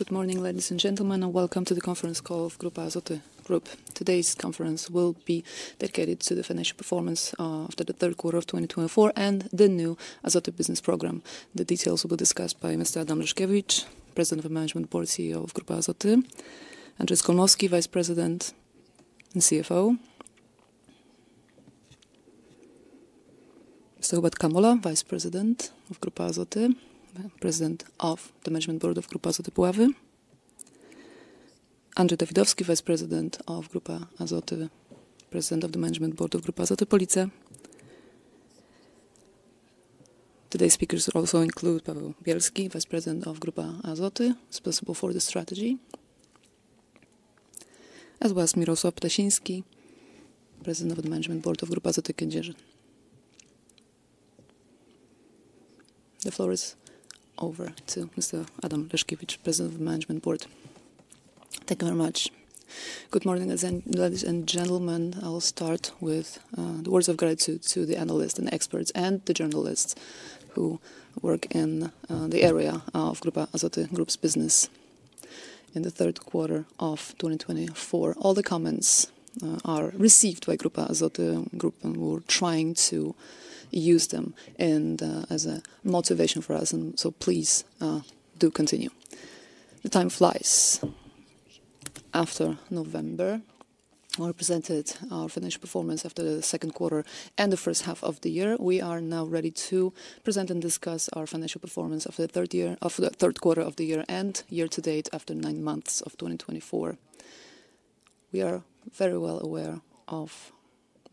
Good morning, ladies and gentlemen, and welcome to the conference call of Grupa Azoty. Today's conference will be dedicated to the financial performance of the Q3 of 2024 and the new Azoty Business Program. The details will be discussed by Mr. Adam Leszkiewicz, President of the Management Board, CEO of Grupa Azoty, Andrzej Skolmowski, Vice President and CFO, Mr. Hubert Kamola, Vice President of Grupa Azoty, President of the Management Board of Grupa Azoty Polyolefins, Andrzej Dawidowski, Vice President of Grupa Azoty, President of the Management Board of Grupa Azoty Police. Today's speakers also include Paweł Bielski, Vice President of Grupa Azoty, responsible for the Strategy, as well as Mirosław Ptasiński, President of the Management Board of Grupa Azoty Kędzierzyn. The floor is over to Mr. Adam Leszkiewicz, President of the Management Board. Thank you very much. Good morning, ladies and gentlemen. I'll start with the words of gratitude to the analysts and experts and the journalists who work in the area of Grupa Azoty Group's business in the Q3 of 2024. All the comments are received by Grupa Azoty Group, and we're trying to use them as a motivation for us, and so please do continue. The time flies. After November, we presented our financial performance after the Q2 and the H1 of the year. We are now ready to present and discuss our financial performance of the Q3 of the year and year-to-date after nine months of 2024. We are very well aware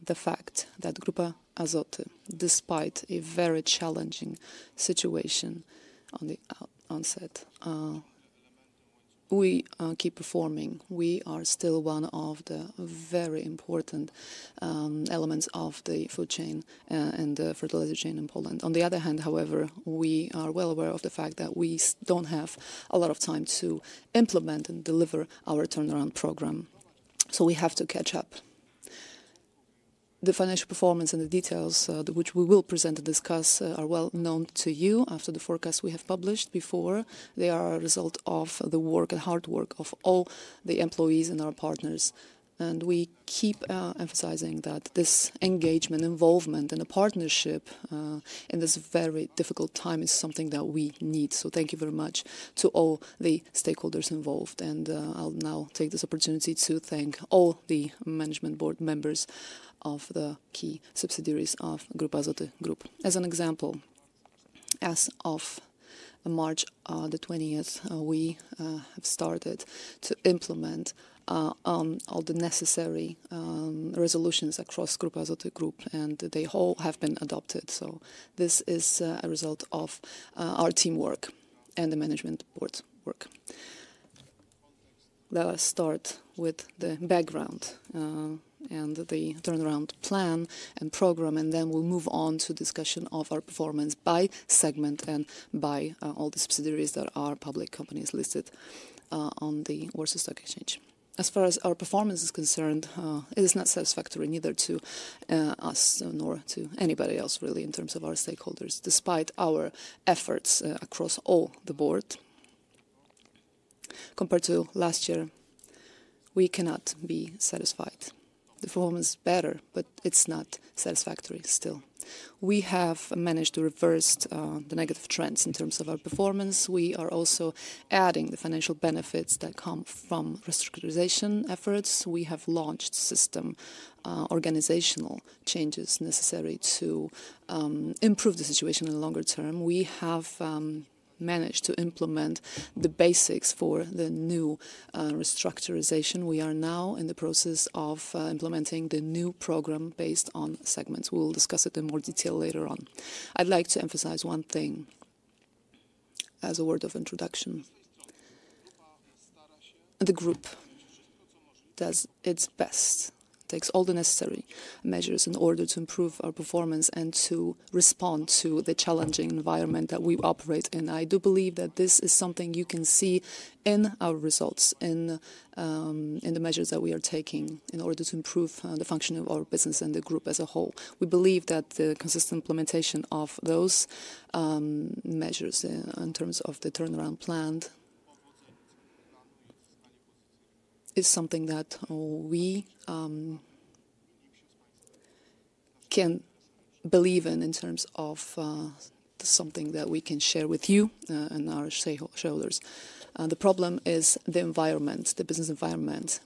of the fact that Grupa Azoty, despite a very challenging situation on the outset, we keep performing. We are still one of the very important elements of the food chain and the fertilizer chain in Poland. On the other hand, however, we are well aware of the fact that we don't have a lot of time to implement and deliver our turnaround program, so we have to catch up. The financial performance and the details which we will present and discuss are well known to you after the forecasts we have published before. They are a result of the work and hard work of all the employees and our partners, and we keep emphasizing that this engagement, involvement, and the partnership in this very difficult time is something that we need. So thank you very much to all the stakeholders involved, and I'll now take this opportunity to thank all the Management Board members of the key subsidiaries of Grupa Azoty. As an example, as of March 20th, we have started to implement all the necessary resolutions across Grupa Azoty Group, and they all have been adopted. So this is a result of our teamwork and the Management Board's work. Let us start with the background and the turnaround plan and program, and then we'll move on to the discussion of our performance by segment and by all the subsidiaries that are public companies listed on the Warsaw Stock Exchange. As far as our performance is concerned, it is not satisfactory neither to us nor to anybody else, really, in terms of our stakeholders. Despite our efforts across all the board, compared to last year, we cannot be satisfied. The performance is better, but it's not satisfactory still. We have managed to reverse the negative trends in terms of our performance. We are also adding the financial benefits that come from restructuring efforts. We have launched system organizational changes necessary to improve the situation in the longer term. We have managed to implement the basics for the new restructuring. We are now in the process of implementing the new program based on segments. We will discuss it in more detail later on. I'd like to emphasize one thing as a word of introduction. The group does its best, takes all the necessary measures in order to improve our performance and to respond to the challenging environment that we operate in. I do believe that this is something you can see in our results, in the measures that we are taking in order to improve the function of our business and the group as a whole. We believe that the consistent implementation of those measures in terms of the turnaround plan is something that we can believe in in terms of something that we can share with you and our shareholders. The problem is the environment, the business environment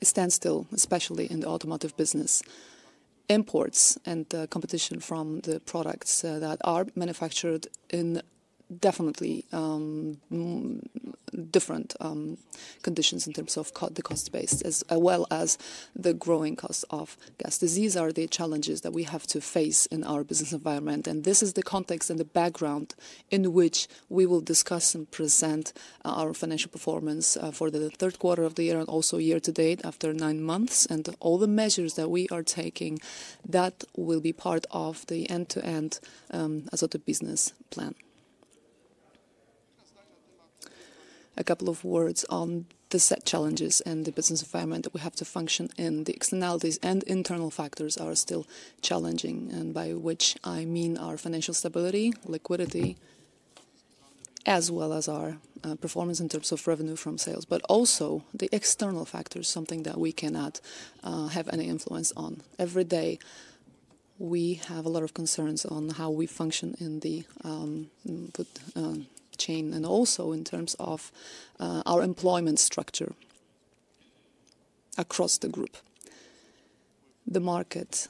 that stands still, especially in the automotive business. Imports and competition from the products that are manufactured in definitely different conditions in terms of the cost base, as well as the growing cost of gas. These are the challenges that we have to face in our business environment, and this is the context and the background in which we will discuss and present our financial performance for the Q3 of the year and also year-to-date after nine months and all the measures that we are taking that will be part of the end-to-end Azoty Business Plan. A couple of words on the set challenges in the business environment that we have to function in. The externalities and internal factors are still challenging, and by which I mean our financial stability, liquidity, as well as our performance in terms of revenue from sales, but also the external factors, something that we cannot have any influence on. Every day we have a lot of concerns on how we function in the food chain and also in terms of our employment structure across the group. The market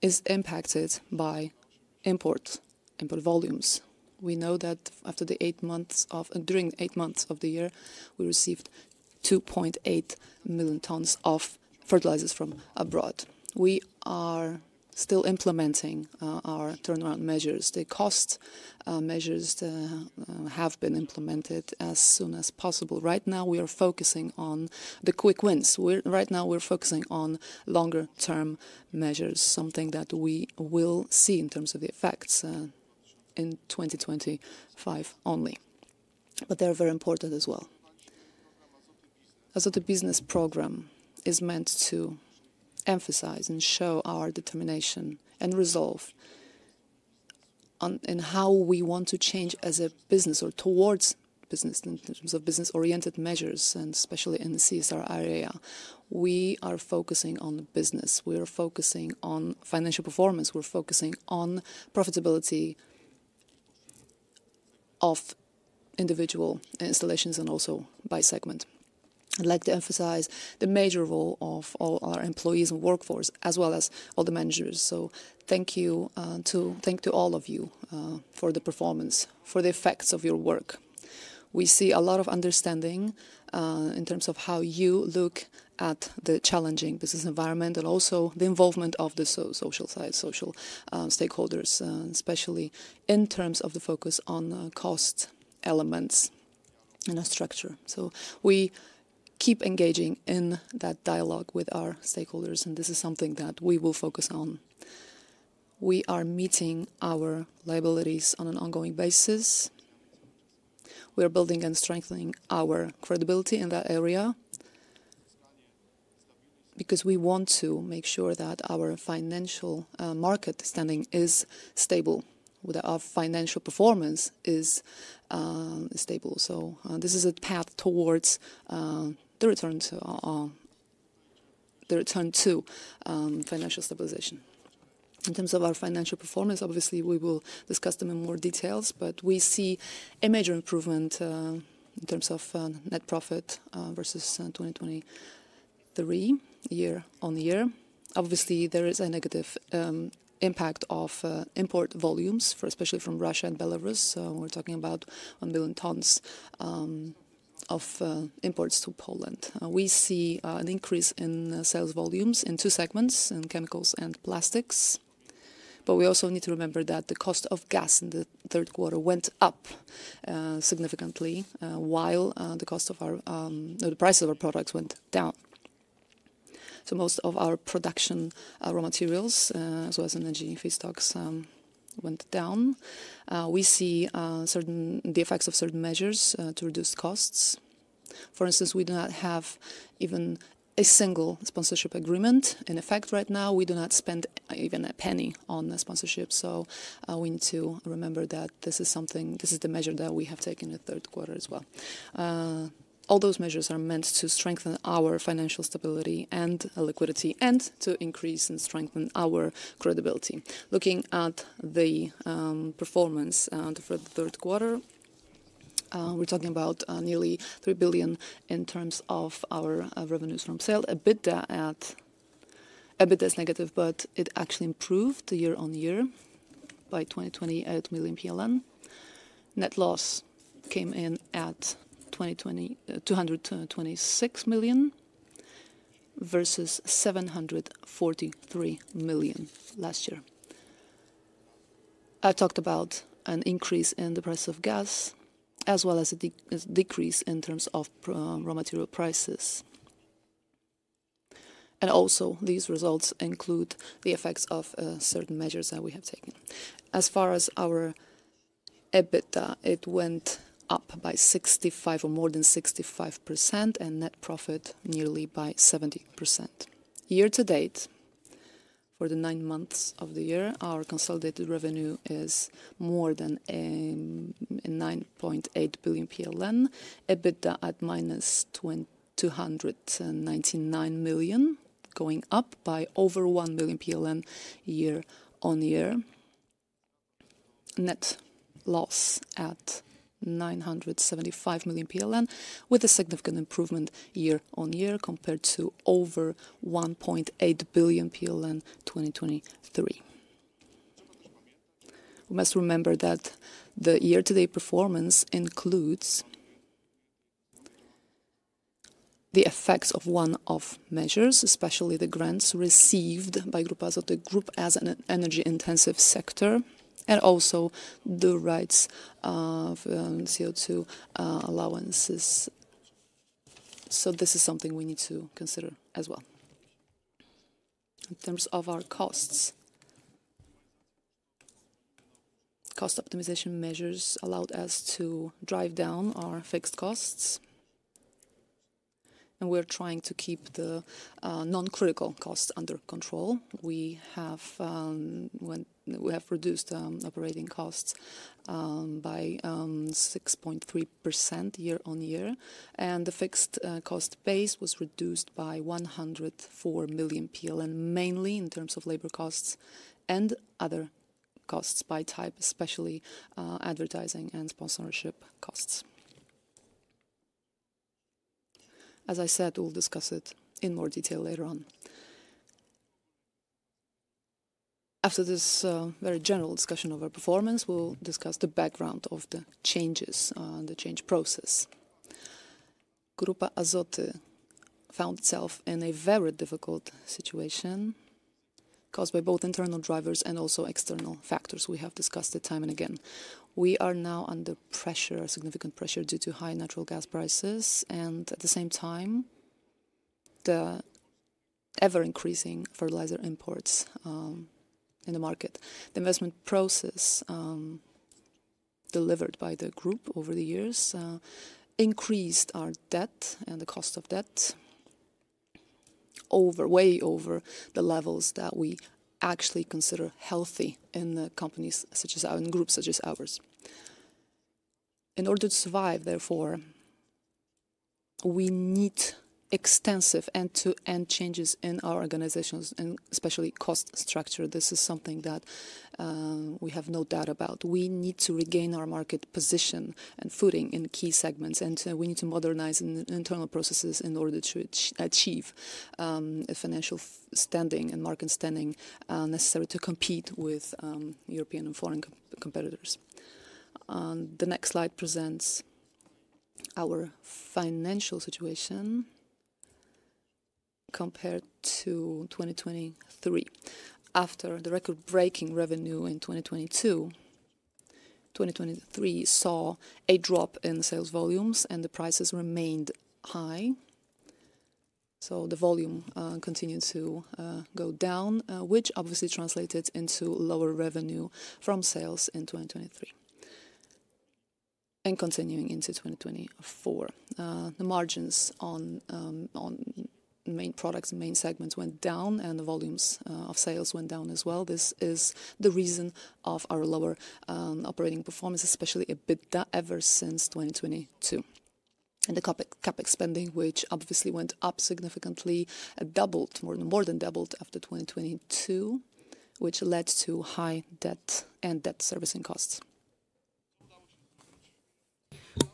is impacted by import volumes. We know that after the eight months of the year, we received 2.8 million tons of fertilizers from abroad. We are still implementing our turnaround measures. The cost measures have been implemented as soon as possible. Right now, we are focusing on the quick wins. Right now, we're focusing on longer-term measures, something that we will see in terms of the effects in 2025 only, but they are very important as well. The Azoty Business Program is meant to emphasize and show our determination and resolve in how we want to change as a business or towards business in terms of business-oriented measures, and especially in the CSR area. We are focusing on business. We are focusing on financial performance. We're focusing on profitability of individual installations and also by segment. I'd like to emphasize the major role of all our employees and workforce, as well as all the managers. So thank you to all of you for the performance, for the effects of your work. We see a lot of understanding in terms of how you look at the challenging business environment and also the involvement of the social stakeholders, especially in terms of the focus on cost elements and our structure. So we keep engaging in that dialogue with our stakeholders, and this is something that we will focus on. We are meeting our liabilities on an ongoing basis. We are building and strengthening our credibility in that area because we want to make sure that our financial market standing is stable, that our financial performance is stable. So this is a path towards the return to financial stabilization. In terms of our financial performance, obviously, we will discuss them in more details, but we see a major improvement in terms of net profit versus 2023 year-on-year. Obviously, there is a negative impact of import volumes, especially from Russia and Belarus. We're talking about one million tons of imports to Poland. We see an increase in sales volumes in two segments, in chemicals and plastics, but we also need to remember that the cost of gas in the Q3 went up significantly while the price of our products went down. Most of our production raw materials, as well as energy feedstocks, went down. We see the effects of certain measures to reduce costs. For instance, we do not have even a single sponsorship agreement in effect right now. We do not spend even a penny on sponsorship, so we need to remember that this is the measure that we have taken in the Q3 as well. All those measures are meant to strengthen our financial stability and liquidity and to increase and strengthen our credibility. Looking at the performance for the Q3, we're talking about nearly 3 billion in terms of our revenues from sales. EBITDA is negative, but it actually improved year-on-year by 228 million PLN. Net loss came in at 226 million versus 743 million last year. I talked about an increase in the price of gas, as well as a decrease in terms of raw material prices, and also, these results include the effects of certain measures that we have taken. As far as our EBITDA, it went up by 65 or more than 65%, and net profit nearly by 70%. Year-to-date, for the nine months of the year, our consolidated revenue is more than 9.8 billion PLN. EBITDA at minus 299 million, going up by over one million year-on-year. Net loss at 975 million PLN, with a significant improvement year-on-year compared to over 1.8 billion 2023. We must remember that the year-to-date performance includes the effects of one-off measures, especially the grants received by Grupa Azoty Group as an energy-intensive sector, and also the rights of CO2 allowances. So this is something we need to consider as well. In terms of our costs, cost optimization measures allowed us to drive down our fixed costs, and we're trying to keep the non-critical costs under control. We have reduced operating costs by 6.3% year-on-year, and the fixed cost base was reduced by 104 million PLN, mainly in terms of labor costs and other costs by type, especially advertising and sponsorship costs. As I said, we'll discuss it in more detail later on. After this very general discussion of our performance, we'll discuss the background of the changes and the change process. Grupa Azoty found itself in a very difficult situation caused by both internal drivers and also external factors we have discussed at length, time and again. We are now under pressure, significant pressure, due to high natural gas prices and, at the same time, the ever-increasing fertilizer imports in the market. The investment process delivered by the group over the years increased our debt and the cost of debt way over the levels that we actually consider healthy in companies such as ours, in groups such as ours. In order to survive, therefore, we need extensive end-to-end changes in our organizations and especially the cost structure. This is something that we have no doubt about. We need to regain our market position and footing in key segments, and we need to modernize internal processes in order to achieve a financial standing and market standing necessary to compete with European and foreign competitors. The next slide presents our financial situation compared to 2023. After the record-breaking revenue in 2022, 2023 saw a drop in sales volumes, and the prices remained high. So the volume continued to go down, which obviously translated into lower revenue from sales in 2023 and continuing into 2024. The margins on main products, main segments went down, and the volumes of sales went down as well. This is the reason of our lower operating performance, especially EBITDA ever since 2022, and the CapEx spending, which obviously went up significantly, doubled, more than doubled after 2022, which led to high debt and debt servicing costs.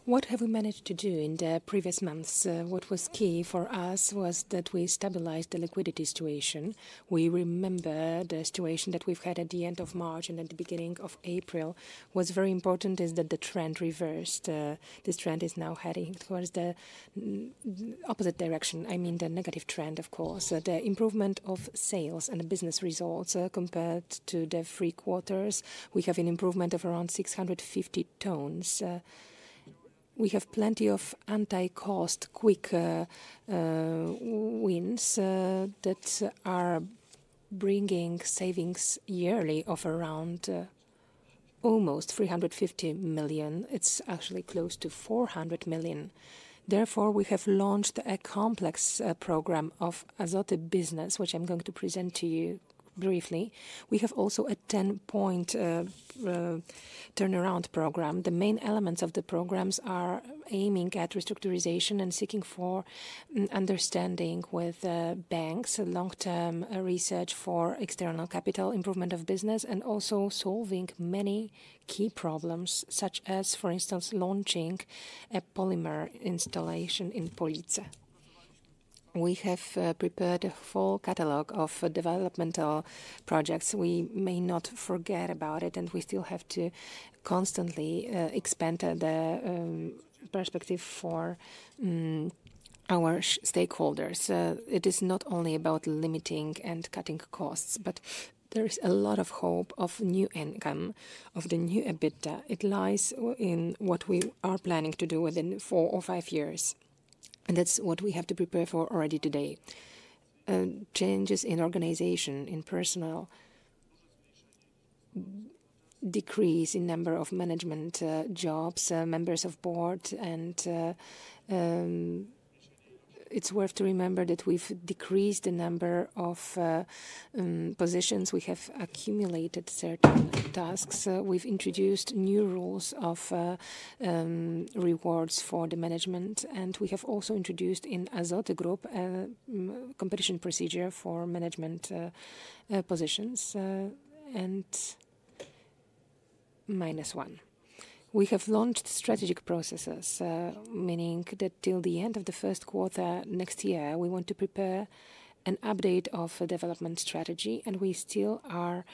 What have we managed to do in the previous months? What was key for us was that we stabilized the liquidity situation. We remember the situation that we've had at the end of March and at the beginning of April. What was very important is that the trend reversed. This trend is now heading towards the opposite direction. I mean the negative trend, of course. The improvement of sales and the business results compared to the three quarters, we have an improvement of around 650 tons. We have plenty of anti-cost quick wins that are bringing savings yearly of around almost 350 million. It's actually close to 400 million. Therefore, we have launched the Azoty Business Program, which I'm going to present to you briefly. We have also a 10-point turnaround program. The main elements of the programs are aiming at restructuring and seeking understanding with banks, long-term search for external capital, improvement of business, and also solving many key problems such as, for instance, launching a polymer installation in Police. We have prepared a full catalog of developmental projects. We may not forget about it, and we still have to constantly expand the perspective for our stakeholders. It is not only about limiting and cutting costs, but there is a lot of hope of new income of the new EBITDA. It lies in what we are planning to do within four or five years, and that's what we have to prepare for already today. Changes in organization, in personnel, decrease in number of management jobs, members of board, and it's worth to remember that we've decreased the number of positions. We have accumulated certain tasks. We've introduced new rules of rewards for the management, and we have also introduced in Azoty Group a competition procedure for management positions, and minus one. We have launched strategic processes, meaning that till the end of the Q1 next year, we want to prepare an update of the development strategy, and we still are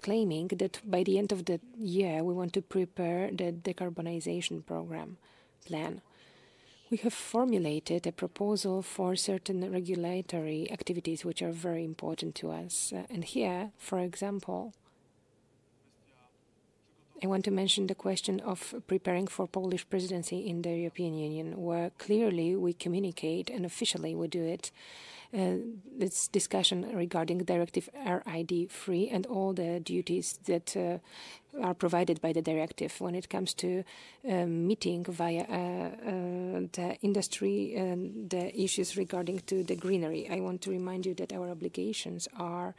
claiming that by the end of the year, we want to prepare the decarbonization program plan. We have formulated a proposal for certain regulatory activities, which are very important to us, and here, for example, I want to mention the question of preparing for Polish presidency in the European Union, where clearly we communicate and officially we do it. This discussion regarding directive RED III and all the duties that are provided by the directive when it comes to meeting via the industry and the issues regarding to the greenery. I want to remind you that our obligations are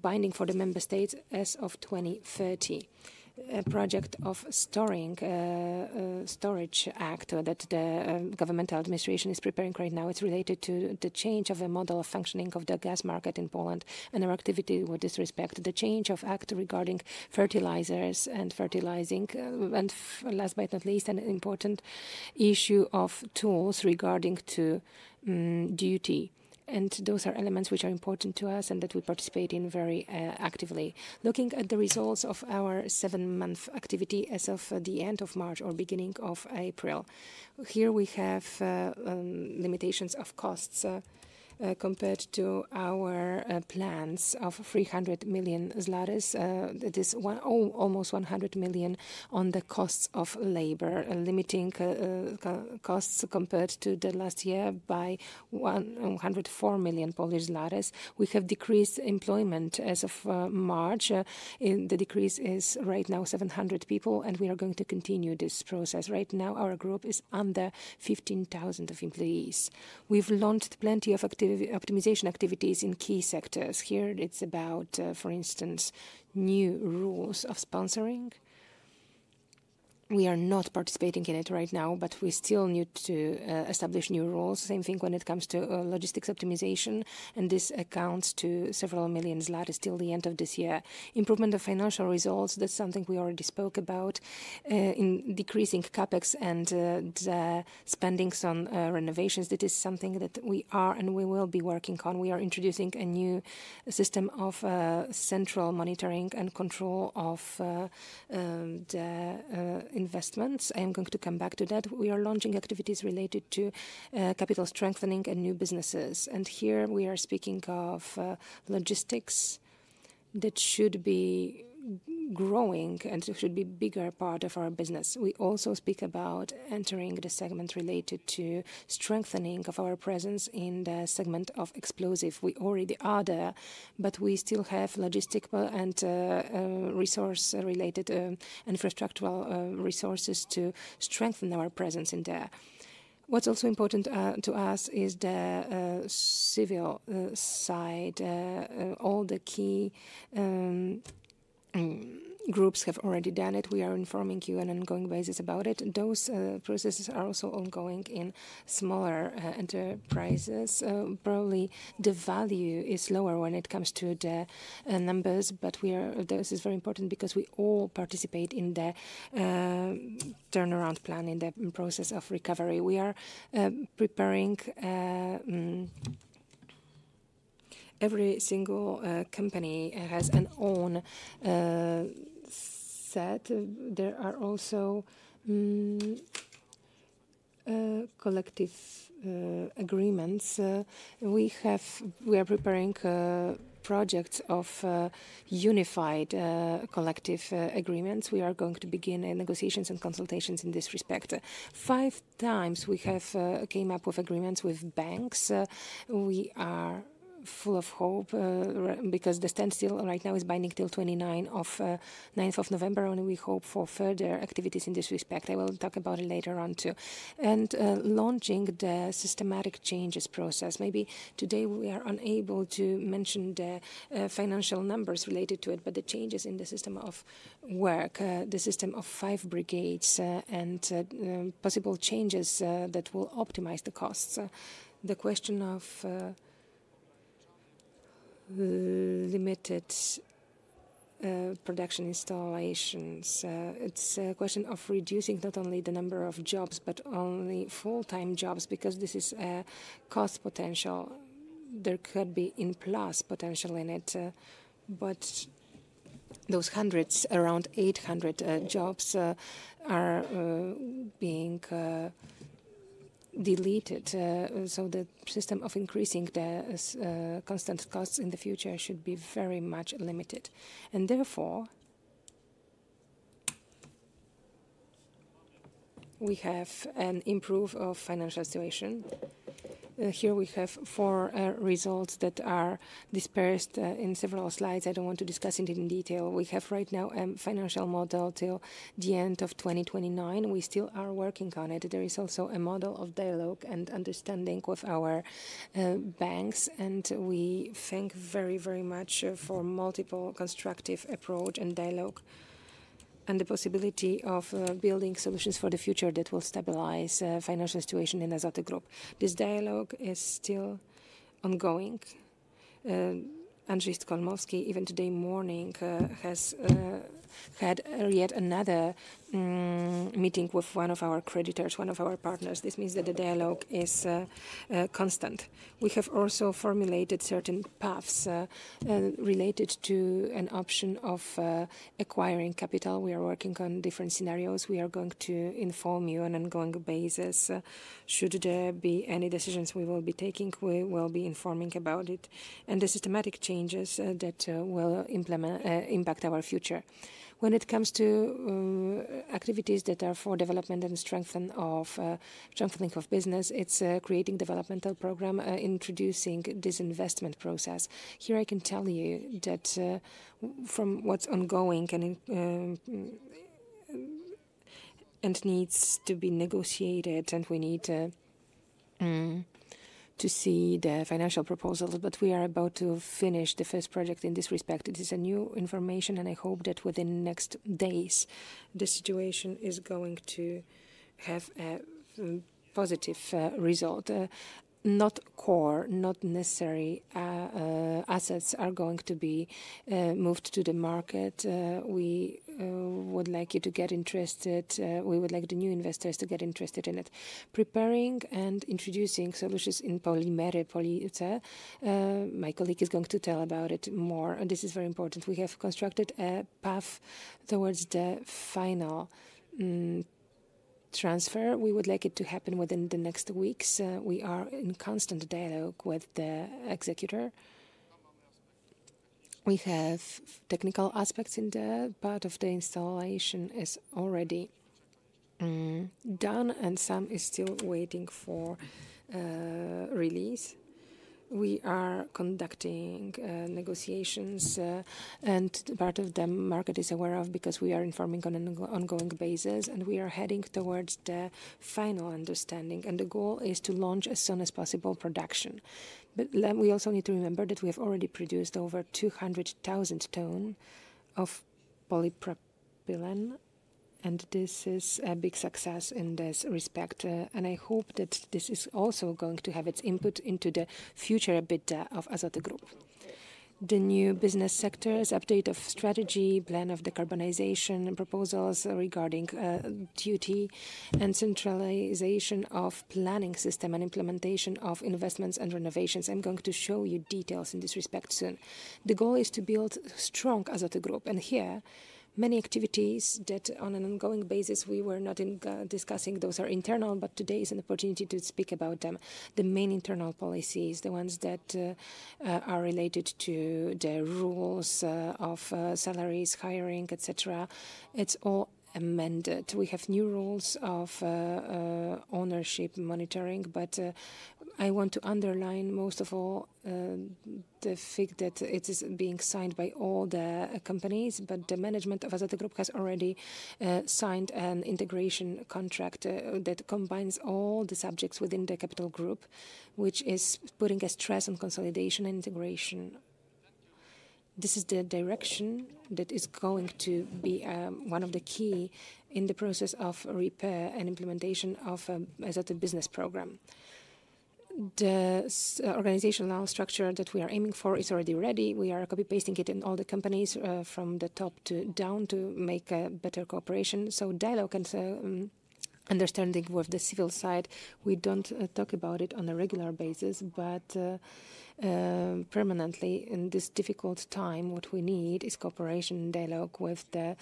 binding for the member states as of 2030. A project of strategic storage act that the government administration is preparing right now is related to the change of the model of functioning of the gas market in Poland and our activity with this respect. The change of act regarding fertilizers and fertilizing, and last but not least, an important issue of tools regarding to duty. And those are elements which are important to us and that we participate in very actively. Looking at the results of our seven-month activity as of the end of March or beginning of April, here we have limitations of costs compared to our plans of 300 million. It is almost 100 million on the costs of labor, limiting costs compared to the last year by 104 million. We have decreased employment as of March. The decrease is right now 700 people, and we are going to continue this process. Right now, our group is under 15,000 of employees. We've launched plenty of optimization activities in key sectors. Here it's about, for instance, new rules of sponsoring. We are not participating in it right now, but we still need to establish new rules. Same thing when it comes to logistics optimization, and this accounts to several million till the end of this year. Improvement of financial results, that's something we already spoke about in decreasing CapEx and the spending on renovations. That is something that we are and we will be working on. We are introducing a new system of central monitoring and control of the investments. I am going to come back to that. We are launching activities related to capital strengthening and new businesses. And here we are speaking of logistics that should be growing and should be a bigger part of our business. We also speak about entering the segment related to strengthening of our presence in the segment of explosives. We already are there, but we still have logistical and resource-related infrastructural resources to strengthen our presence in there. What's also important to us is the civil side. All the key groups have already done it. We are informing you on an ongoing basis about it. Those processes are also ongoing in smaller enterprises. Probably the value is lower when it comes to the numbers, but this is very important because we all participate in the turnaround plan, in the process of recovery. We are preparing every single company has an own set. There are also collective agreements. We are preparing projects of unified collective agreements. We are going to begin negotiations and consultations in this respect. Five times we have come up with agreements with banks. We are full of hope because the standstill right now is binding till 29th of November, and we hope for further activities in this respect. I will talk about it later on too, and launching the systematic changes process. Maybe today we are unable to mention the financial numbers related to it, but the changes in the system of work, the system of five brigades, and possible changes that will optimize the costs. The question of limited production installations, it's a question of reducing not only the number of jobs, but only full-time jobs because this is a cost potential. There could be in plus potential in it, but those hundreds, around 800 jobs are being deleted. So the system of increasing the constant costs in the future should be very much limited. And therefore, we have an improved financial situation. Here we have four results that are dispersed in several slides. I don't want to discuss it in detail. We have right now a financial model till the end of 2029. We still are working on it. There is also a model of dialogue and understanding with our banks, and we thank very, very much for multiple constructive approach and dialogue and the possibility of building solutions for the future that will stabilize the financial situation in Azoty Group. This dialogue is still ongoing. Andrzej Skolmowski, even today morning, has had yet another meeting with one of our creditors, one of our partners. This means that the dialogue is constant. We have also formulated certain paths related to an option of acquiring capital. We are working on different scenarios. We are going to inform you on an ongoing basis. Should there be any decisions we will be taking, we will be informing about it and the systematic changes that will impact our future. When it comes to activities that are for development and strengthening of business, it's creating developmental program, introducing this investment process. Here I can tell you that from what's ongoing and needs to be negotiated, and we need to see the financial proposals, but we are about to finish the first project in this respect. It is a new information, and I hope that within the next days, the situation is going to have a positive result. Not core, not necessary assets are going to be moved to the market. We would like you to get interested. We would like the new investors to get interested in it. Preparing and introducing solutions in polyurethane. My colleague is going to tell about it more. This is very important. We have constructed a path towards the final transfer. We would like it to happen within the next weeks. We are in constant dialogue with the executor. We have technical aspects in the part of the installation is already done, and some is still waiting for release. We are conducting negotiations, and part of the market is aware of because we are informing on an ongoing basis, and we are heading towards the final understanding, and the goal is to launch as soon as possible production, but we also need to remember that we have already produced over 200,000 tons of polypropylene, and this is a big success in this respect, and I hope that this is also going to have its input into the future EBITDA of Azoty Group. The new business sectors, update of strategy, plan of decarbonization, proposals regarding duty, and centralization of planning system and implementation of investments and renovations. I'm going to show you details in this respect soon. The goal is to build strong Azoty Group. And here, many activities that on an ongoing basis we were not discussing, those are internal, but today is an opportunity to speak about them. The main internal policies, the ones that are related to the rules of salaries, hiring, etc., it's all amended. We have new rules of ownership monitoring, but I want to underline most of all the fact that it is being signed by all the companies, but the management of Azoty Group has already signed an integration contract that combines all the subjects within the capital group, which is putting a stress on consolidation and integration. This is the direction that is going to be one of the key in the process of repair and implementation of Azoty Business Program. The organizational structure that we are aiming for is already ready. We are copy-pasting it in all the companies from the top to down to make better cooperation. Dialogue and understanding with the civil side, we don't talk about it on a regular basis, but permanently in this difficult time. What we need is cooperation and dialogue with the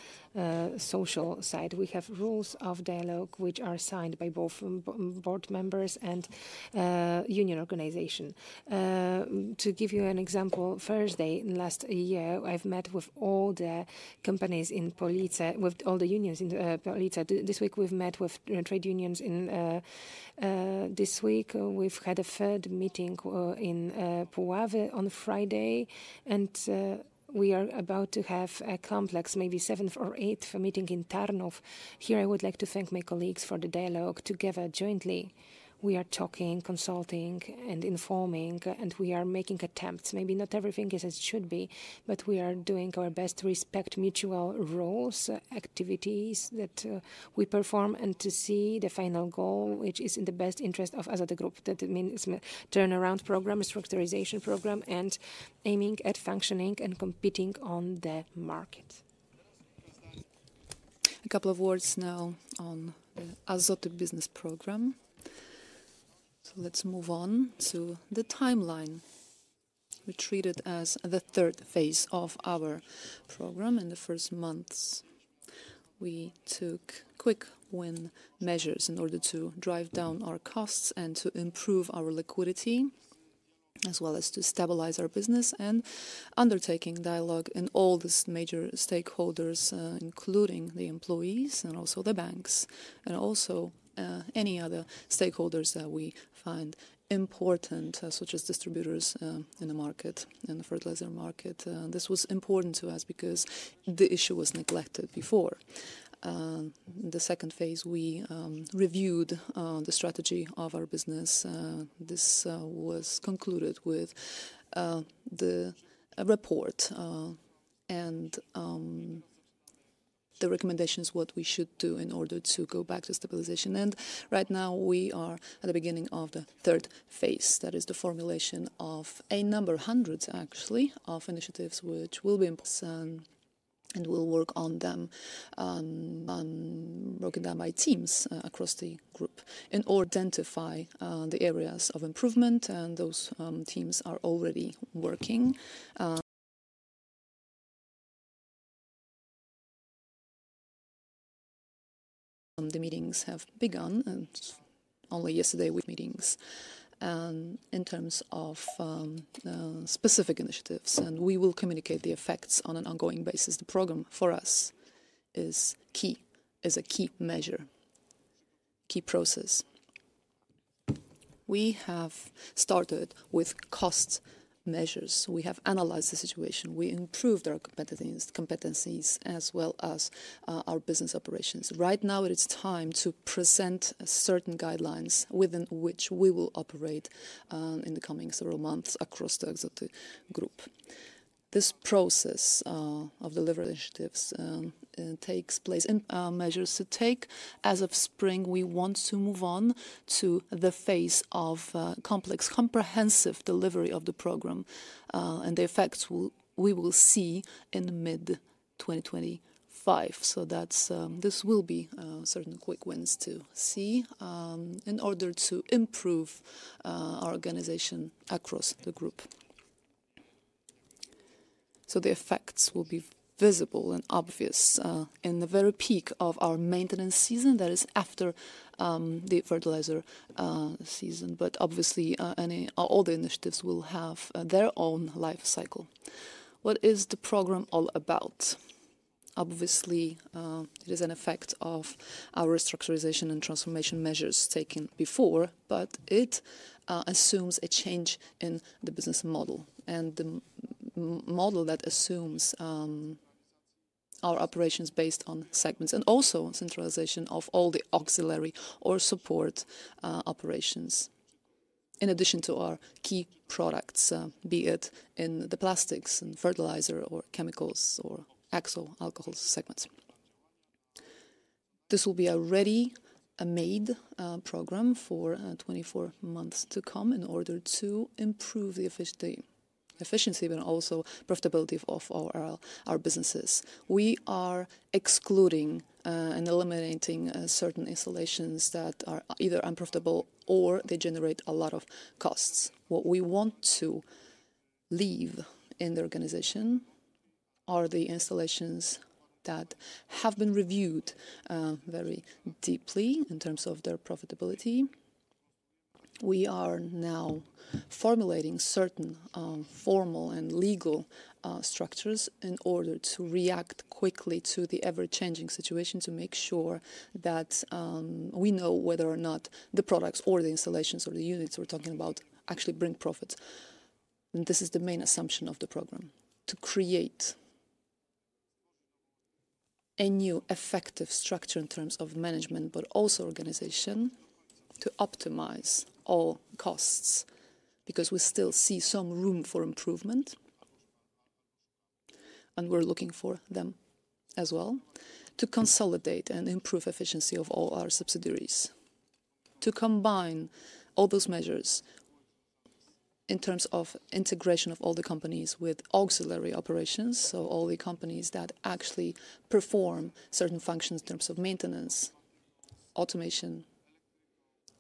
social side. We have rules of dialogue which are signed by both board members and union organization. To give you an example, Thursday last year, I've met with all the companies in Police, with all the unions in Police. This week, we've met with trade unions in this week. We've had a third meeting in Puławy on Friday, and we are about to have a complex, maybe seventh or eighth meeting in Tarnów. Here, I would like to thank my colleagues for the dialogue together jointly. We are talking, consulting, and informing, and we are making attempts. Maybe not everything is as it should be, but we are doing our best to respect mutual roles, activities that we perform, and to see the final goal, which is in the best interest of Azoty Group, that means turnaround program, structurization program, and aiming at functioning and competing on the market. A couple of words now on the Azoty Business Program. So let's move on to the timeline. We treat it as the third phase of our program. In the first months, we took quick win measures in order to drive down our costs and to improve our liquidity, as well as to stabilize our business and undertaking dialogue in all these major stakeholders, including the employees and also the banks, and also any other stakeholders that we find important, such as distributors in the market and the fertilizer market. This was important to us because the issue was neglected before. In the second phase, we reviewed the strategy of our business. This was concluded with the report and the recommendations of what we should do in order to go back to stabilization. And right now, we are at the beginning of the third phase. That is the formulation of a number of hundreds, actually, of initiatives which will be and we'll work on them. Broken down by teams across the group in identifying the areas of improvement, and those teams are already working. The meetings have begun, and only yesterday. Meetings in terms of specific initiatives, and we will communicate the effects on an ongoing basis. The program for us is a key measure, key process. We have started with cost measures. We have analyzed the situation. We improved our competencies as well as our business operations. Right now, it is time to present certain guidelines within which we will operate in the coming several months across the Azoty Group. This process of delivery initiatives takes place. Measures to take as of spring. We want to move on to the phase of complex comprehensive delivery of the program, and the effects we will see in mid-2025. So this will be certain quick wins to see in order to improve our organization across the group. The effects will be visible and obvious in the very peak of our maintenance season. That is after the fertilizer season. However, all the initiatives will have their own life cycle. What is the program all about? It is an effect of our structurization and transformation measures taken before, but it assumes a change in the business model and the model that assumes our operations based on segments and also centralization of all the auxiliary or support operations in addition to our key products, be it in the plastics and fertilizer or chemicals or oxo alcohols segments. This will be a ready-made program for 24 months to come in order to improve the efficiency, but also profitability of our businesses. We are excluding and eliminating certain installations that are either unprofitable or they generate a lot of costs. What we want to leave in the organization are the installations that have been reviewed very deeply in terms of their profitability. We are now formulating certain formal and legal structures in order to react quickly to the ever-changing situation to make sure that we know whether or not the products or the installations or the units we're talking about actually bring profits, and this is the main assumption of the program to create a new effective structure in terms of management, but also organization to optimize all costs because we still see some room for improvement, and we're looking for them as well to consolidate and improve efficiency of all our subsidiaries. To combine all those measures in terms of integration of all the companies with auxiliary operations, so all the companies that actually perform certain functions in terms of maintenance, automation,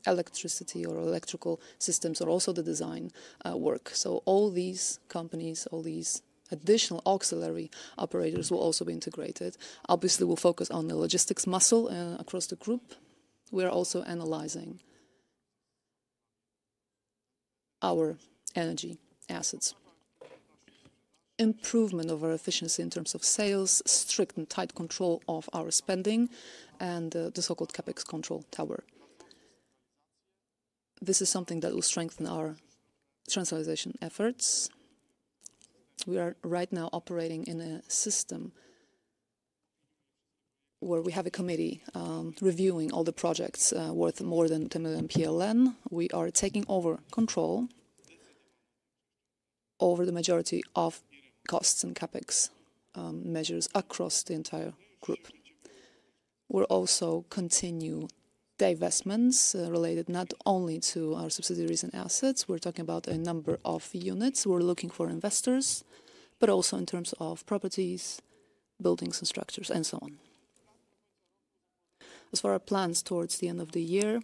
electricity or electrical systems, or also the design work. So all these companies, all these additional auxiliary operators will also be integrated. Obviously, we'll focus on the logistics muscle across the group. We are also analyzing our energy assets, improvement of our efficiency in terms of sales, strict and tight control of our spending, and the so-called CapEx control tower. This is something that will strengthen our centralization efforts. We are right now operating in a system where we have a committee reviewing all the projects worth more than 10 million PLN. We are taking over control over the majority of costs and CapEx measures across the entire group. We'll also continue divestments related not only to our subsidiaries and assets. We're talking about a number of units. We're looking for investors, but also in terms of properties, buildings, and structures, and so on. As far as plans towards the end of the year,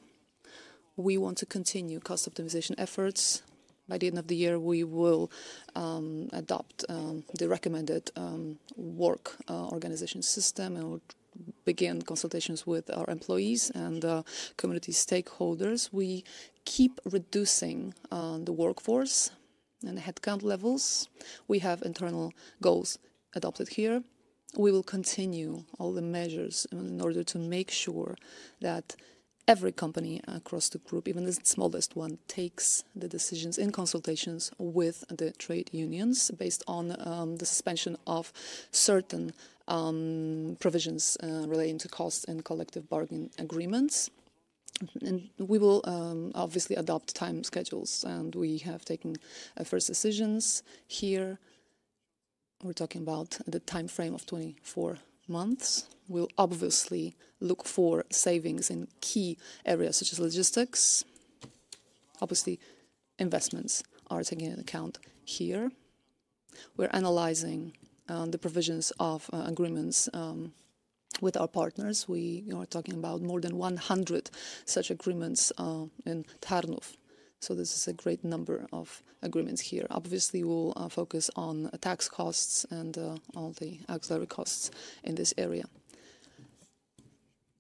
we want to continue cost optimization efforts. By the end of the year, we will adopt the recommended work organization system and begin consultations with our employees and community stakeholders. We keep reducing the workforce and headcount levels. We have internal goals adopted here. We will continue all the measures in order to make sure that every company across the group, even the smallest one, takes the decisions in consultations with the trade unions based on the suspension of certain provisions relating to costs and collective bargaining agreements, and we will obviously adopt time schedules, and we have taken first decisions here. We're talking about the timeframe of 24 months. We'll obviously look for savings in key areas such as logistics. Obviously, investments are taken into account here. We're analyzing the provisions of agreements with our partners. We are talking about more than 100 such agreements in Tarnów. So this is a great number of agreements here. Obviously, we'll focus on tax costs and all the auxiliary costs in this area.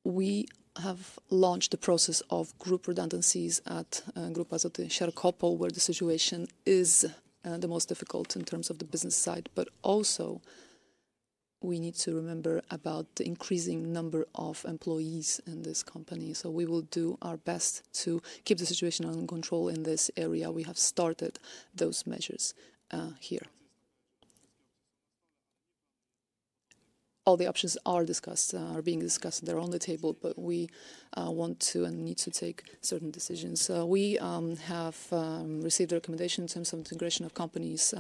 We have launched the process of group redundancies at Grupa Azoty Siarkopol, where the situation is the most difficult in terms of the business side, but also we need to remember about the increasing number of employees in this company. So we will do our best to keep the situation under control in this area. We have started those measures here. All the options are discussed, are being discussed. They're on the table, but we want to and need to take certain decisions. We have received recommendations in terms of integration of companies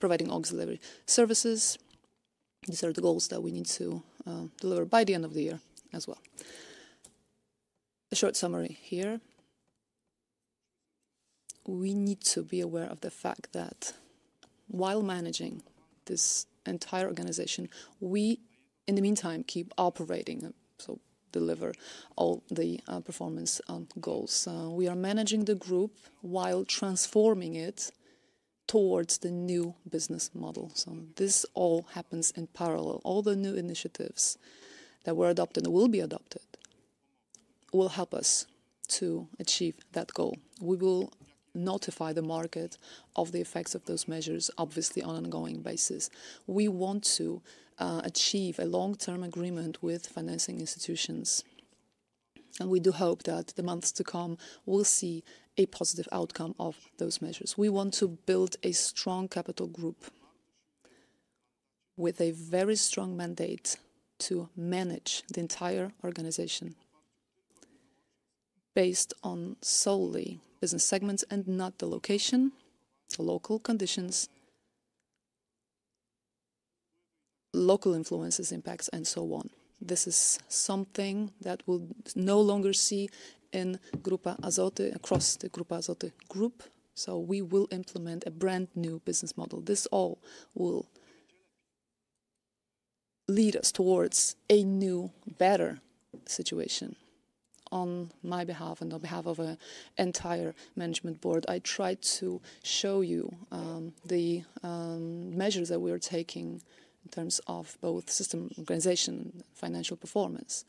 providing auxiliary services. These are the goals that we need to deliver by the end of the year as well. A short summary here. We need to be aware of the fact that while managing this entire organization, we in the meantime keep operating, so deliver all the performance goals. We are managing the group while transforming it towards the new business model. So this all happens in parallel. All the new initiatives that were adopted and will be adopted will help us to achieve that goal. We will notify the market of the effects of those measures, obviously on an ongoing basis. We want to achieve a long-term agreement with financing institutions, and we do hope that the months to come we'll see a positive outcome of those measures. We want to build a strong capital group with a very strong mandate to manage the entire organization based on solely business segments and not the location, local conditions, local influences, impacts, and so on. This is something that we'll no longer see in Grupa Azoty, across the Grupa Azoty Group. We will implement a brand new business model. This all will lead us towards a new, better situation. On my behalf and on behalf of the entire management board, I tried to show you the measures that we are taking in terms of both system organization and financial performance.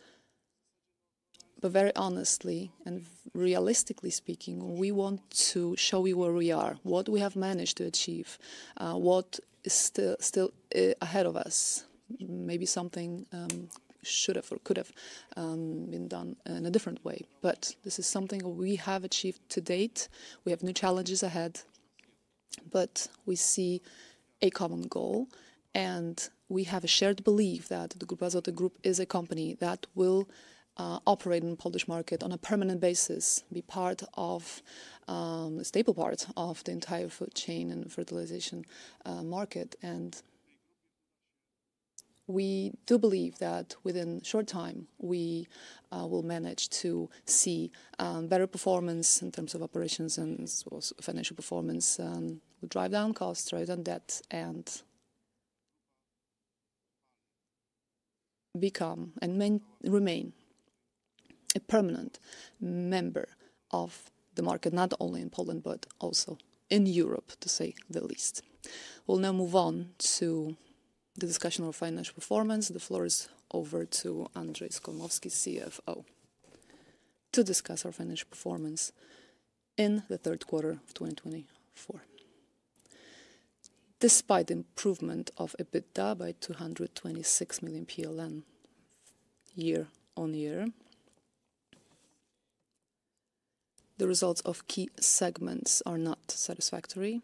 Very honestly and realistically speaking, we want to show you where we are, what we have managed to achieve, what is still ahead of us. Maybe something should have or could have been done in a different way, but this is something we have achieved to date. We have new challenges ahead, but we see a common goal, and we have a shared belief that the Grupa Azoty Group is a company that will operate in the Polish market on a permanent basis, be part of a stable part of the entire food chain and fertilization market. We do believe that within a short time, we will manage to see better performance in terms of operations and financial performance, drive down costs, drive down debt, and become and remain a permanent member of the market, not only in Poland, but also in Europe, to say the least. We'll now move on to the discussion of financial performance. The floor is over to Andrzej Skolmowski, CFO, to discuss our financial performance in the Q3 of 2024. Despite the improvement of EBITDA by 226 million PLN year on year, the results of key segments are not satisfactory.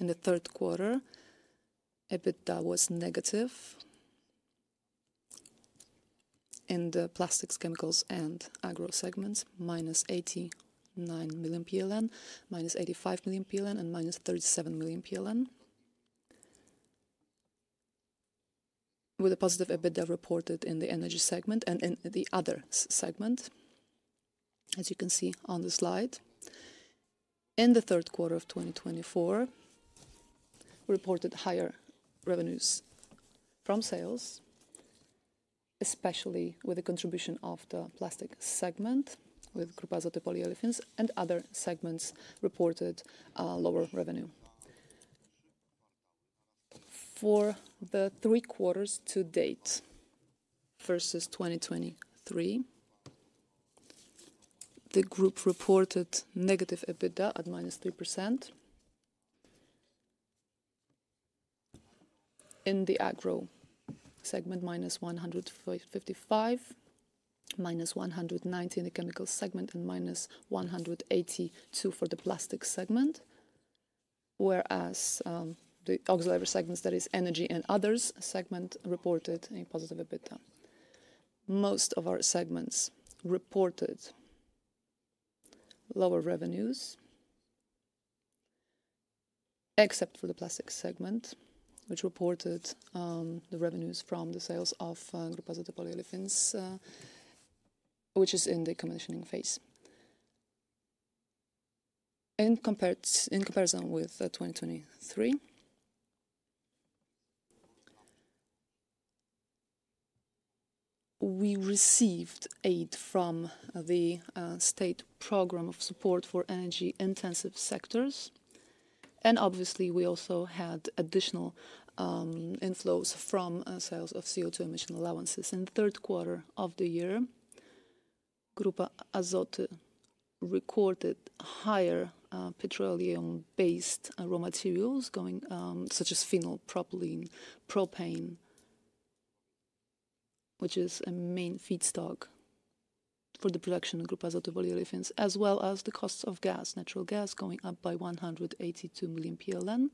In the Q3, EBITDA was negative in the plastics, chemicals, and agro segments: minus 89 million PLN, minus 85 million PLN, and minus 37 million PLN, with a positive EBITDA reported in the energy segment and in the other segment, as you can see on the slide. In the Q3 of 2024, we reported higher revenues from sales, especially with the contribution of the plastic segment with Grupa Azoty Polyolefins and other segments reported lower revenue. For the three quarters to date versus 2023, the group reported negative EBITDA at minus 3% in the agro segment, minus 155, minus 190 in the chemical segment, and minus 182 for the plastic segment, whereas the auxiliary segments, that is, energy and others segment, reported a positive EBITDA. Most of our segments reported lower revenues, except for the plastic segment, which reported the revenues from the sales of Grupa Azoty Polyolefins, which is in the commissioning phase. In comparison with 2023, we received aid from the state program of support for energy-intensive sectors, and obviously, we also had additional inflows from sales of CO2 emission allowances in the Q3 of the year. Grupa Azoty recorded higher petroleum-based raw materials such as phenol, propylene, propane, which is a main feedstock for the production of Grupa Azoty Polyolefins, as well as the costs of gas, natural gas, going up by 182 million PLN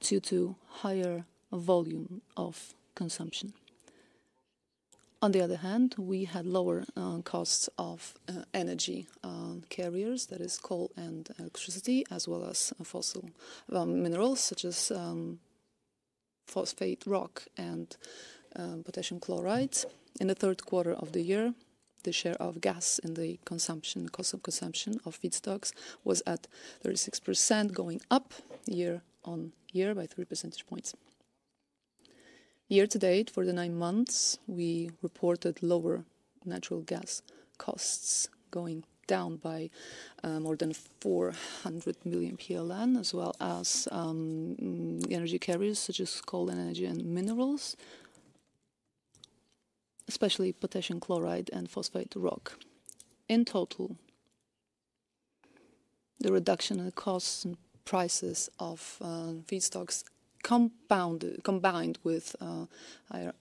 due to higher volume of consumption. On the other hand, we had lower costs of energy carriers, that is, coal and electricity, as well as fossil minerals such as phosphate rock and potassium chloride. In the Q3 of the year, the share of gas in the cost of consumption of feedstocks was at 36%, going up year on year by 3 percentage points. Year to date, for the nine months, we reported lower natural gas costs going down by more than 400 million PLN, as well as energy carriers such as coal and energy and minerals, especially potassium chloride and phosphate rock. In total, the reduction in costs and prices of feedstocks combined with higher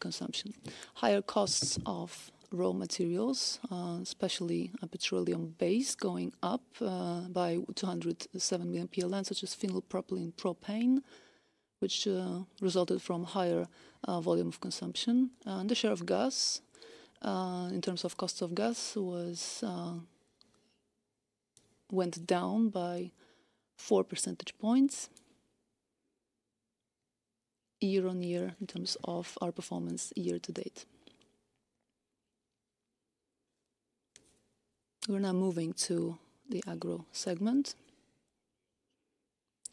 consumption. Higher costs of raw materials, especially petroleum-based, going up by 207 million PLN, such as phenol, propylene, propane, which resulted from higher volume of consumption. The share of gas, in terms of cost of gas, went down by four percentage points year on year in terms of our performance year to date. We're now moving to the agro segment.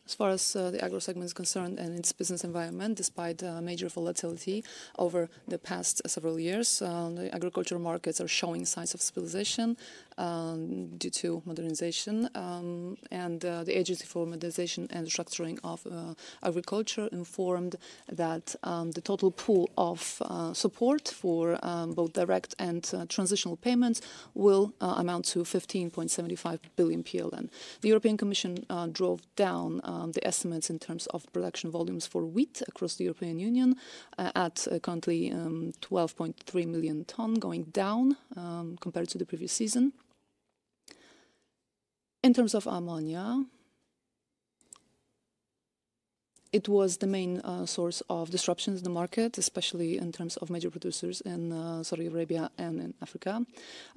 As far as the agro segment is concerned and its business environment, despite major volatility over the past several years, the agriculture markets are showing signs of stabilization due to modernization, and the Agency for Restructuring and Modernization of Agriculture informed that the total pool of support for both direct and transitional payments will amount to 15.75 billion PLN. The European Commission drove down the estimates in terms of production volumes for wheat across the European Union at currently 12.3 million tons, going down compared to the previous season. In terms of ammonia, it was the main source of disruptions in the market, especially in terms of major producers in Saudi Arabia and in Africa.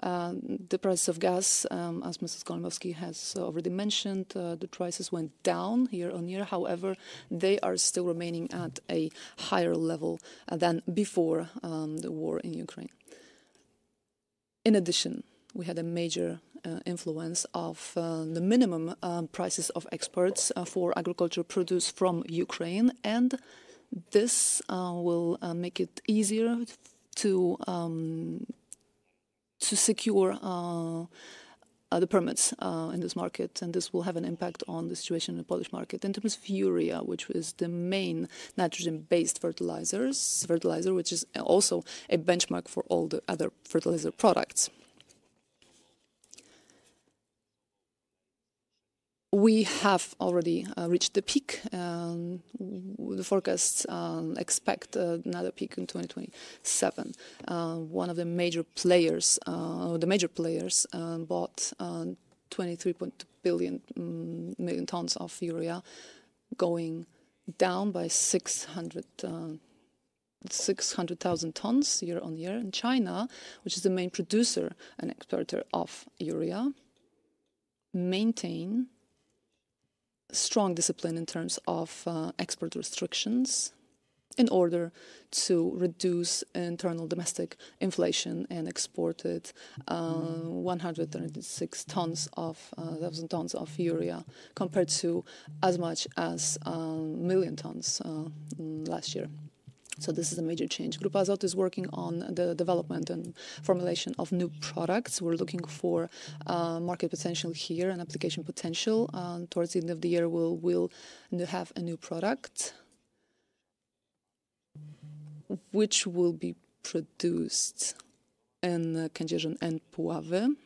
The price of gas, as Mr. Skolmowski has already mentioned, the prices went down year on year. However, they are still remaining at a higher level than before the war in Ukraine. In addition, we had a major influence of the minimum prices of exports for agriculture produced from Ukraine, and this will make it easier to secure the permits in this market, and this will have an impact on the situation in the Polish market. In terms of urea, which was the main nitrogen-based fertilizer, which is also a benchmark for all the other fertilizer products, we have already reached the peak. The forecasts expect another peak in 2027. One of the major players, the major players, bought 2.3 billion tons of urea, going down by 600,000 tons year on year, and China, which is the main producer and exporter of urea, maintains strong discipline in terms of export restrictions in order to reduce internal domestic inflation and exported 136,000 tons of urea compared to as much as a million tons last year, so this is a major change. Grupa Azoty is working on the development and formulation of new products. We're looking for market potential here and application potential. Towards the end of the year, we'll have a new product, which will be produced in Kędzierzyn and Puławy.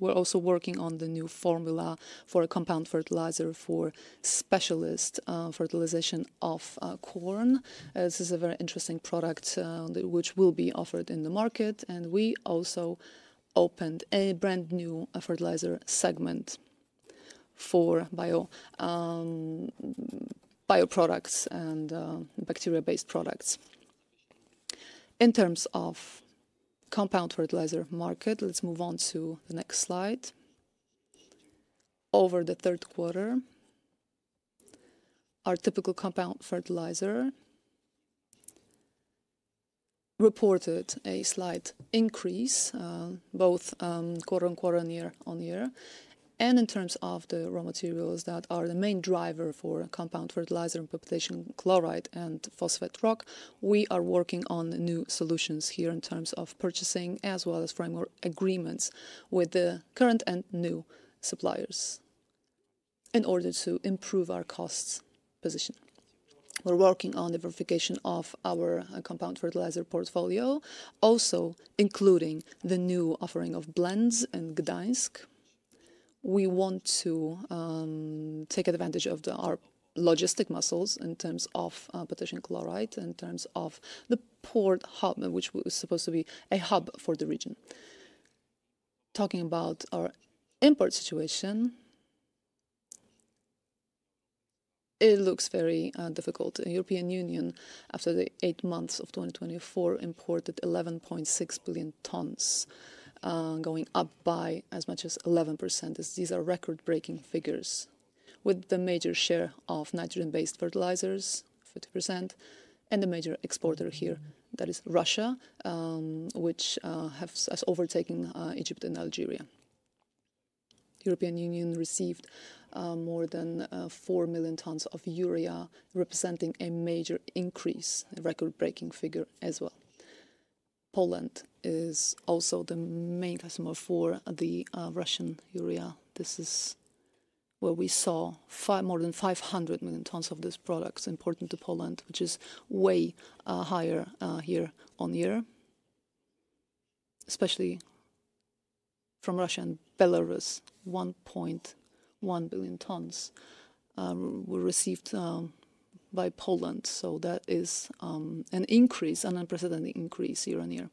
We're also working on the new formula for a compound fertilizer for specialist fertilization of corn. This is a very interesting product, which will be offered in the market, and we also opened a brand new fertilizer segment for bio products and bacteria-based products. In terms of compound fertilizer market, let's move on to the next slide. Over the Q3, our typical compound fertilizer reported a slight increase both quarter on quarter and year on year, and in terms of the raw materials that are the main driver for compound fertilizer and potassium chloride and phosphate rock, we are working on new solutions here in terms of purchasing, as well as framework agreements with the current and new suppliers in order to improve our cost position. We're working on the verification of our compound fertilizer portfolio, also including the new offering of blends in Gdańsk. We want to take advantage of our logistic muscles in terms of potassium chloride, in terms of the port hub, which was supposed to be a hub for the region. Talking about our import situation, it looks very difficult. The European Union, after the eight months of 2024, imported 11.6 billion tons, going up by as much as 11%. These are record-breaking figures, with the major share of nitrogen-based fertilizers, 50%, and the major exporter here, that is Russia, which has overtaken Egypt and Algeria. The European Union received more than 4 million tons of urea, representing a major increase, a record-breaking figure as well. Poland is also the main customer for the Russian urea. This is where we saw more than 500,000 tons of this product imported to Poland, which is way higher year on year, especially from Russia and Belarus. 1.1 billion tons were received by Poland. That is an increase, an unprecedented increase year on year.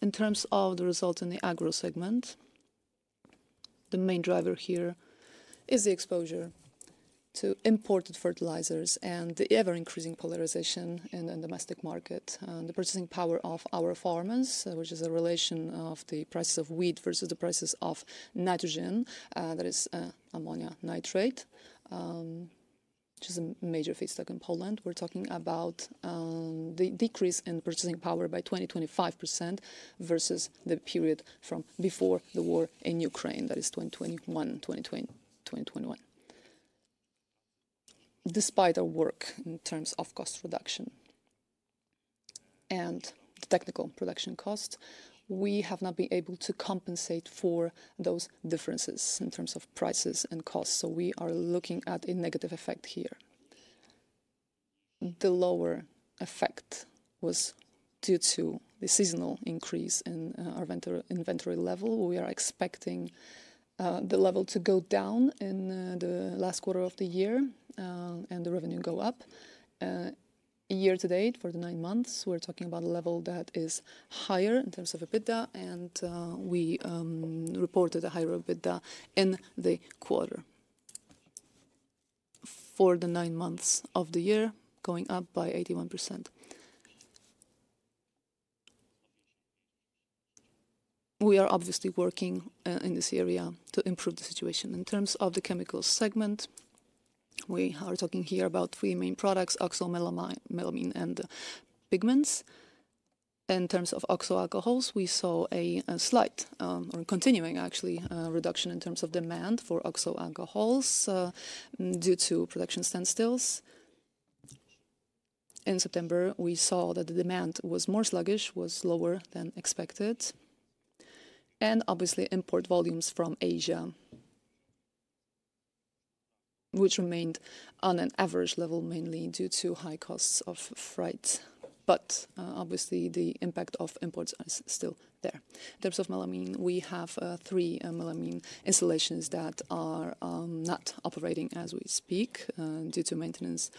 In terms of the results in the agro segment, the main driver here is the exposure to imported fertilizers and the ever-increasing polarization in the domestic market. The purchasing power of our farmers, which is a relation of the prices of wheat versus the prices of nitrogen, that is ammonium nitrate, which is a major feedstock in Poland. We're talking about the decrease in purchasing power by 20-25% versus the period from before the war in Ukraine, that is 2021. Despite our work in terms of cost reduction and technical production costs, we have not been able to compensate for those differences in terms of prices and costs. So we are looking at a negative effect here. The lower effect was due to the seasonal increase in our inventory level. We are expecting the level to go down in the last quarter of the year and the revenue go up. Year to date, for the nine months, we're talking about a level that is higher in terms of EBITDA, and we reported a higher EBITDA in the quarter for the nine months of the year, going up by 81%. We are obviously working in this area to improve the situation. In terms of the chemical segment, we are talking here about three main products: oxo melamine and pigments. In terms of oxo alcohols, we saw a slight, or continuing actually, reduction in terms of demand for oxo alcohols due to production standstills. In September, we saw that the demand was more sluggish, was lower than expected, and obviously import volumes from Asia, which remained on an average level mainly due to high costs of freight. But obviously, the impact of imports is still there. In terms of melamine, we have three melamine installations that are not operating as we speak due to maintenance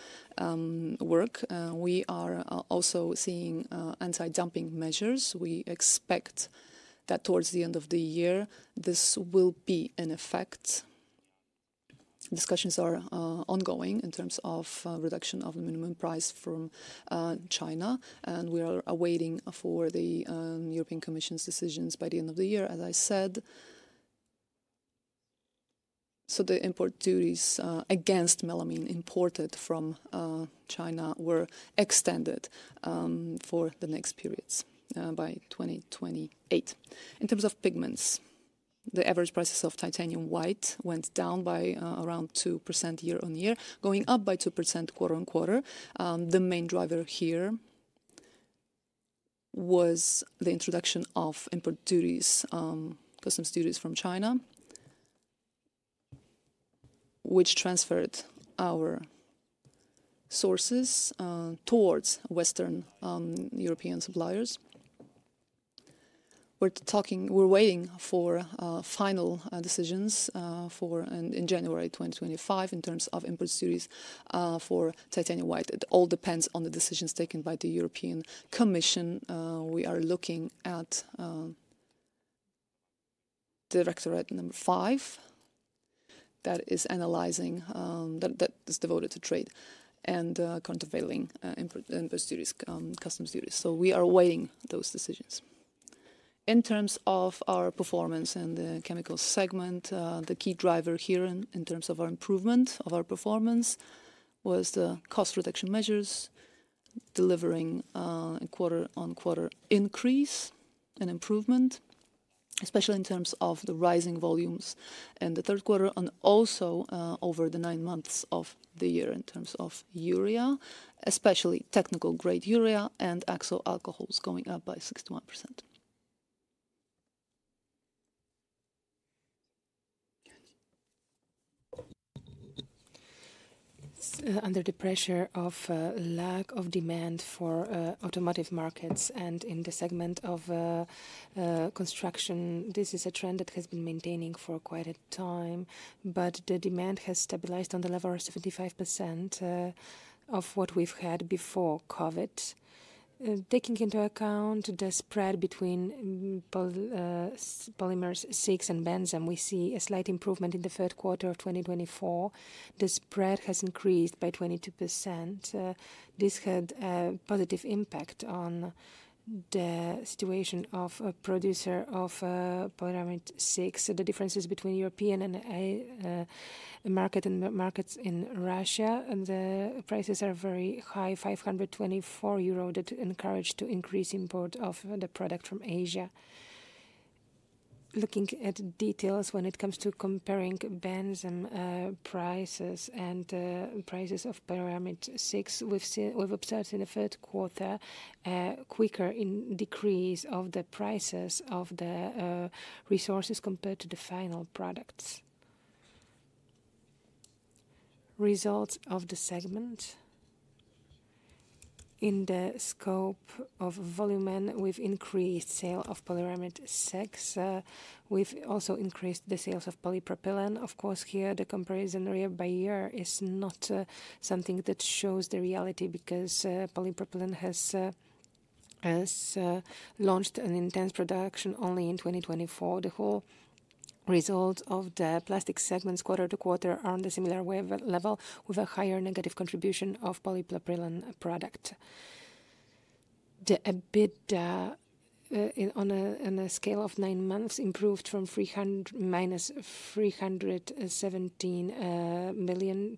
work. We are also seeing anti-dumping measures. We expect that towards the end of the year, this will be in effect. Discussions are ongoing in terms of reduction of the minimum price from China, and we are awaiting for the European Commission's decisions by the end of the year, as I said. So the import duties against melamine imported from China were extended for the next periods by 2028. In terms of pigments, the average prices of titanium white went down by around 2% year on year, going up by 2% quarter on quarter. The main driver here was the introduction of import duties, customs duties from China, which transferred our sources towards Western European suppliers. We're waiting for final decisions in January 2025 in terms of import duties for titanium white. It all depends on the decisions taken by the European Commission. We are looking at Directorate number five, that is analyzing, that is devoted to trade and countervailing import duties, customs duties. So we are awaiting those decisions. In terms of our performance and the chemical segment, the key driver here in terms of our improvement of our performance was the cost reduction measures, delivering a quarter-on-quarter increase and improvement, especially in terms of the rising volumes in the Q3 and also over the nine months of the year in terms of urea, especially technical-grade urea and oxo alcohols going up by 61%. Under the pressure of lack of demand for automotive markets and in the segment of construction, this is a trend that has been maintaining for quite a time, but the demand has stabilized on the level of 75% of what we've had before COVID. Taking into account the spread between polyamide six and benzene, we see a slight improvement in the Q3 of 2024. The spread has increased by 22%. This had a positive impact on the situation of producer of polyamide six. The differences between European market and markets in Russia, the prices are very high, 524 euro that encouraged to increase import of the product from Asia. Looking at details when it comes to comparing benzene prices and prices of polyamide six, we've observed in the Q3 a quicker decrease of the prices of the resources compared to the final products. Results of the segment. In the scope of volume, we've increased sale of polyamide six. We've also increased the sales of polypropylene. Of course, here the comparison year by year is not something that shows the reality because polypropylene has launched an intense production only in 2024. The whole result of the plastic segments quarter to quarter are on the similar level with a higher negative contribution of polypropylene product. The EBITDA on a scale of nine months improved from 317 million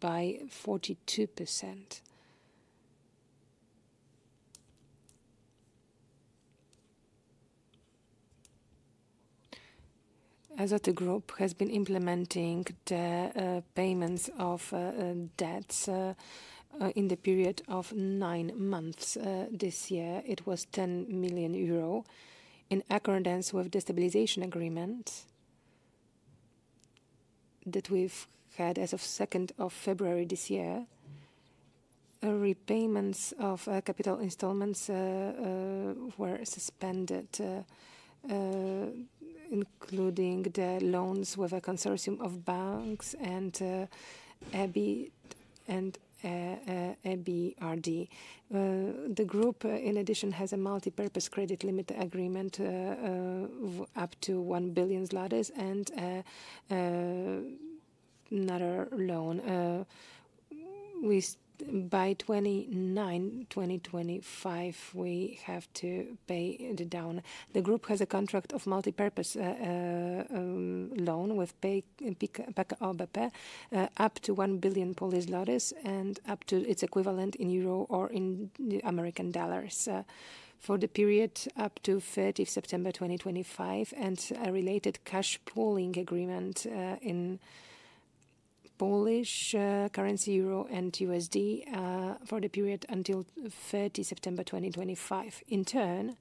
by 42%. Grupa Azoty has been implementing the payments of debts in the period of nine months this year. It was 10 million euro in accordance with the stabilization agreement that we've had as of 2nd of February this year. Repayments of capital installments were suspended, including the loans with a consortium of banks and EBRD. The group, in addition, has a multi-purpose credit limit agreement up to 1 billion zlotys and another loan. By 29, 2025, we have to pay it down. The group has a contract of multi-purpose loan with PKO BP up to 1 billion and up to its equivalent in EUR or in USD for the period up to 30 September 2025 and a related cash pooling agreement in Polish currency, EUR, and USD for the period until 30 September 2025. In turn,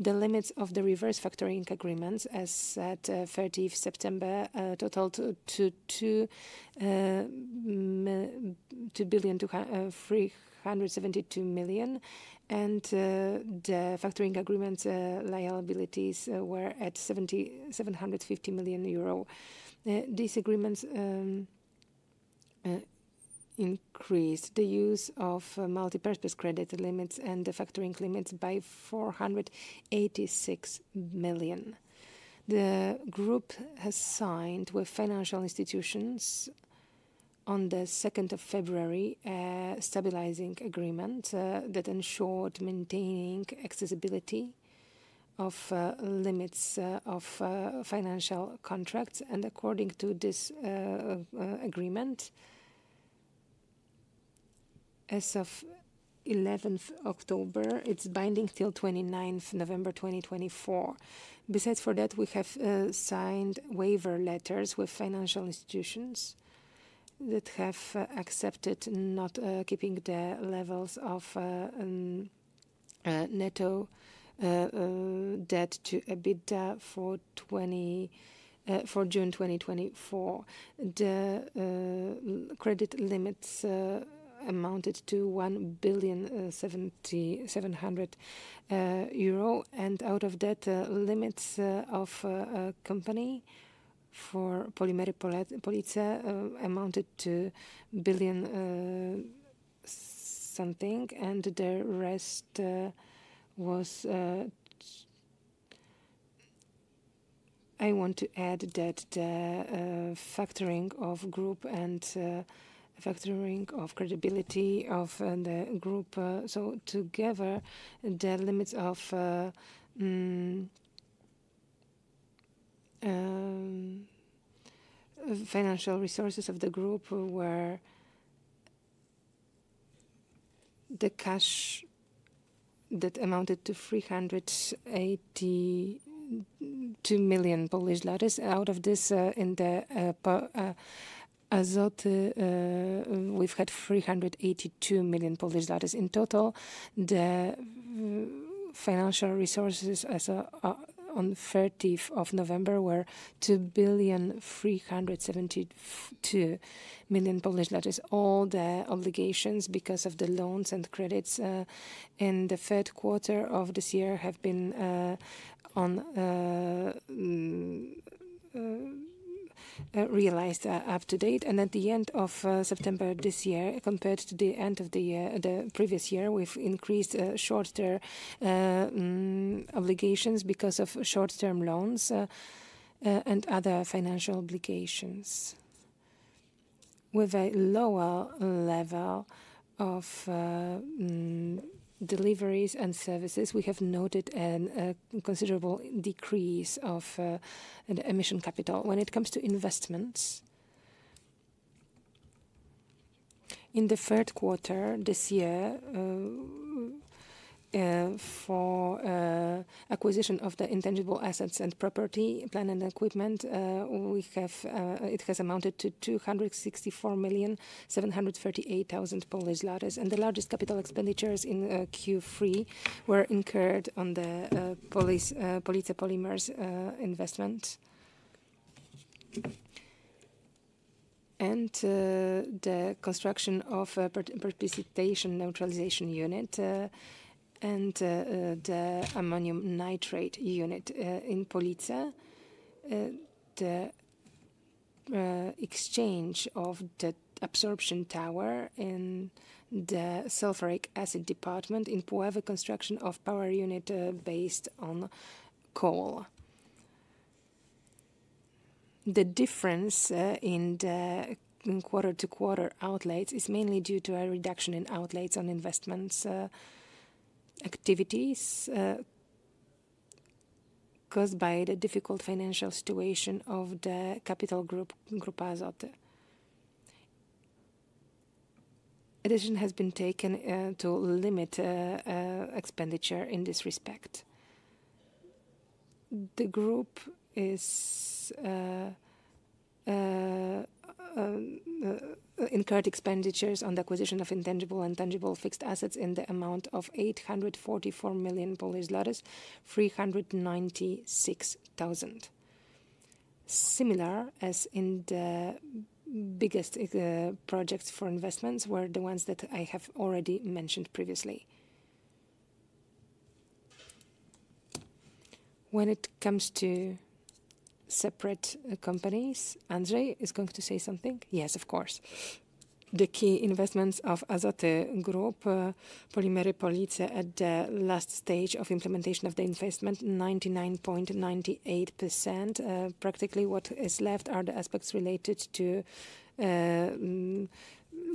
the limits of the reverse factoring agreements, as of 30 September, totaled to 2 billion 372 million, and the factoring agreement liabilities were at 750 million euro. These agreements increased the use of multi-purpose credit limits and the factoring limits by 486 million. The group has signed with financial institutions on the 2nd of February a stabilizing agreement that ensured maintaining accessibility of limits of financial contracts. According to this agreement, as of 11 October, it's binding till 29 November 2024. Besides for that, we have signed waiver letters with financial institutions that have accepted not keeping the levels of net debt to EBITDA for June 2024. The credit limits amounted to 1.77 billion, and out of that, limits of a company for Polimery Police amounted to a billion something, and the rest was, I want to add, that the factoring of the group and reverse factoring of the group. So together, the limits of financial resources of the group were the cash that amounted to 382 million. Out of this, in the Azoty, we've had PLN 382 million in total. The financial resources on 30 November were 2.372 billion. All the obligations because of the loans and credits in the Q3 of this year have been realized up to date. And at the end of September this year, compared to the end of the previous year, we've increased short-term obligations because of short-term loans and other financial obligations. With a lower level of deliveries and services, we have noted a considerable decrease of the capex when it comes to investments. In the Q3 this year, for acquisition of the intangible assets and property, plant and equipment, it has amounted to 264,738,000. And the largest capital expenditures in Q3 were incurred on the Polimery Police investment and the construction of a particulate neutralization unit and the ammonium nitrate unit in Polimery Police. The exchange of the absorption tower in the sulfuric acid department in Puławy, construction of power unit based on coal. The difference in the quarter-to-quarter outlays is mainly due to a reduction in outlays on investment activities caused by the difficult financial situation of Grupa Azoty. A decision has been taken to limit expenditure in this respect. The group has incurred expenditures on the acquisition of intangible and tangible fixed assets in the amount of 844 million, 396 thousand. Similarly, as in the biggest projects for investments, were the ones that I have already mentioned previously. When it comes to separate companies, Andrzej is going to say something. Yes, of course. The key investments of Grupa Azoty Polyolefins at the last stage of implementation of the investment, 99.98%. Practically what is left are the aspects related to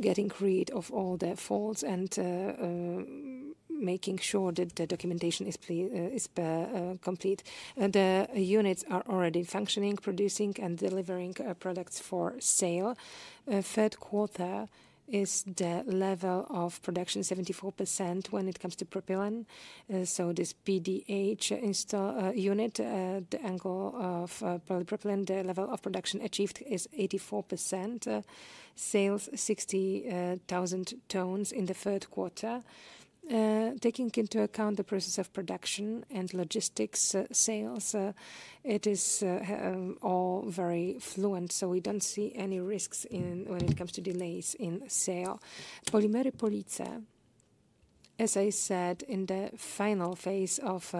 getting rid of all the faults and making sure that the documentation is complete. The units are already functioning, producing, and delivering products for sale. Q3 is the level of production 74% when it comes to propylene. So this PDH unit, the plant of polypropylene, the level of production achieved is 84%. Sales 60,000 tons in the Q3. Taking into account the process of production and logistics sales, it is all very fluid, so we don't see any risks when it comes to delays in sale. Polimery Police, as I said, in the final phase of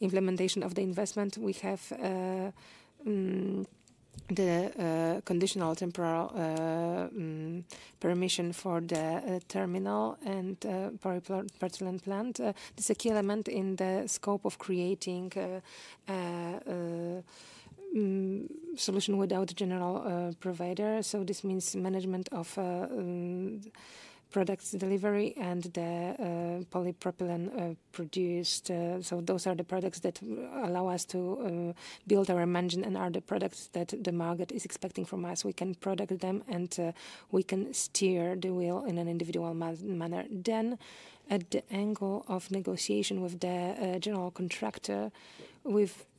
implementation of the investment, we have the conditional temporary permission for the terminal and polypropylene plant. This is a key element in the scope of creating a solution without a general provider. So this means management of products delivery and the polypropylene produced. So those are the products that allow us to build our image and are the products that the market is expecting from us. We can produce them and we can steer the wheel in an individual manner, then at the stage of negotiation with the general contractor,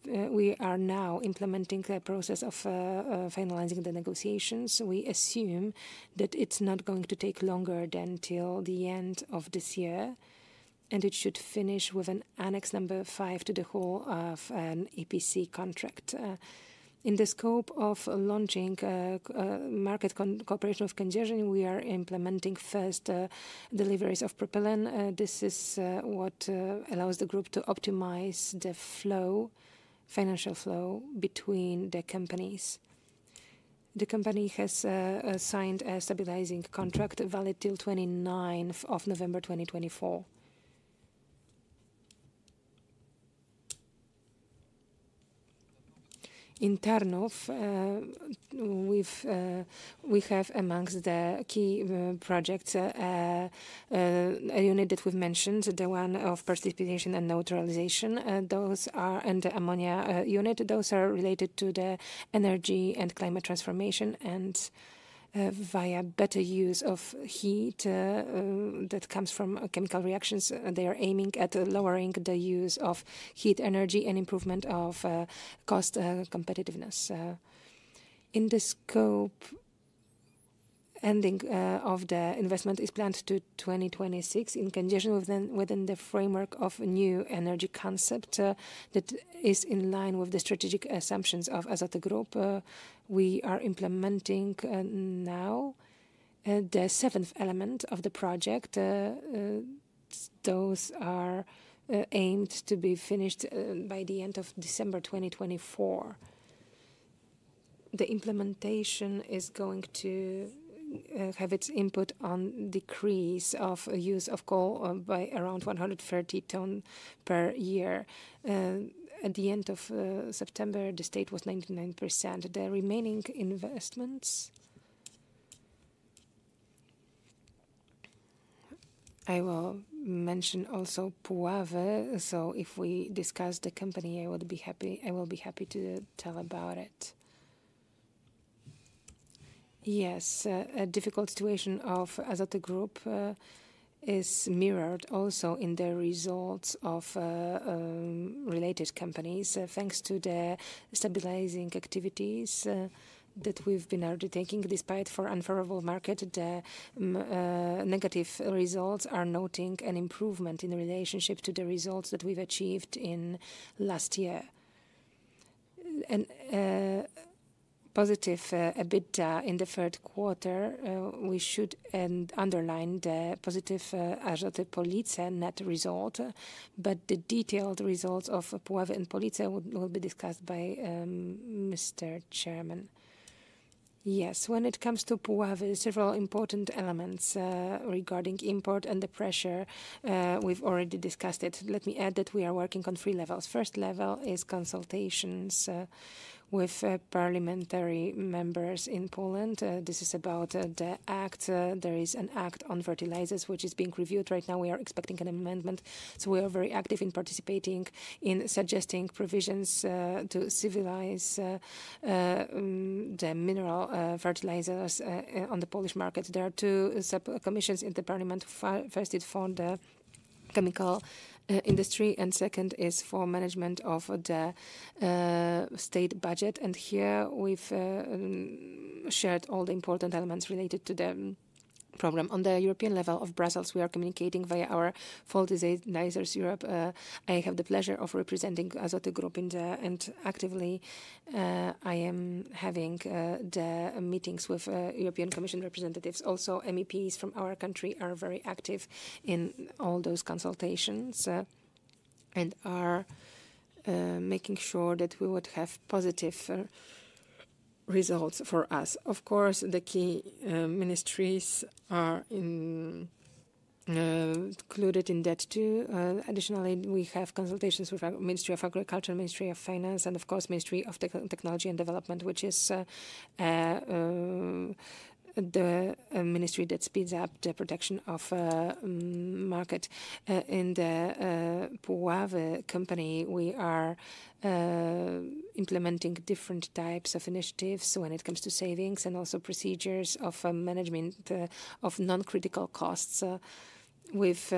we are now implementing the process of finalizing the negotiations. We assume that it's not going to take longer than till the end of this year, and it should finish with an annex number five to the whole of an EPC contract. In the scope of launching market cooperation with customers, we are implementing first deliveries of propylene. This is what allows the group to optimize the financial flow between the companies. The company has signed a stabilizing contract valid till 29 November 2024. In Tarnów, we have among the key projects a unit that we've mentioned, the one of purification and neutralization. Those are and the ammonia unit. Those are related to the energy and climate transformation and via better use of heat that comes from chemical reactions. They are aiming at lowering the use of heat energy and improvement of cost competitiveness. In the scope, ending of the investment is planned to 2026 in conjunction within the framework of a new energy concept that is in line with the strategic assumptions of Azoty Group. We are implementing now the seventh element of the project. Those are aimed to be finished by the end of December 2024. The implementation is going to have its input on decrease of use of coal by around 130 tons per year. At the end of September, the state was 99%. The remaining investments. I will mention also Pulawy. So if we discuss the company, I will be happy to tell about it. Yes, a difficult situation of Grupa Azoty is mirrored also in the results of related companies. Thanks to the stabilizing activities that we've been already taking, despite the unfavorable market, the negative results are noting an improvement in relation to the results that we've achieved in last year. Positive EBITDA in the Q3, we should underline the positive Azoty Police net result, but the detailed results of Puławy and Police will be discussed by Mr. Chairman. Yes, when it comes to Puławy, several important elements regarding import and the pressure we've already discussed it. Let me add that we are working on three levels. First level is consultations with parliamentary members in Poland. This is about the act. There is an act on fertilizers which is being reviewed right now. We are expecting an amendment. So we are very active in participating in suggesting provisions to civilize the mineral fertilizers on the Polish market. There are two subcommissions in the parliament. First, it's for the chemical industry, and second is for management of the state budget. And here we've shared all the important elements related to the program. On the European level in Brussels, we are communicating via our Fertilizers Europe. I have the pleasure of representing Grupa Azoty in Fertilizers Europe and actively I am having the meetings with European Commission representatives. Also, MEPs from our country are very active in all those consultations and are making sure that we would have positive results for us. Of course, the key ministries are included in that too. Additionally, we have consultations with the Ministry of Agriculture, Ministry of Finance, and of course, Ministry of Technology and Development, which is the ministry that speeds up the protection of market. In the Puławy company, we are implementing different types of initiatives when it comes to savings and also procedures of management of non-critical costs. We've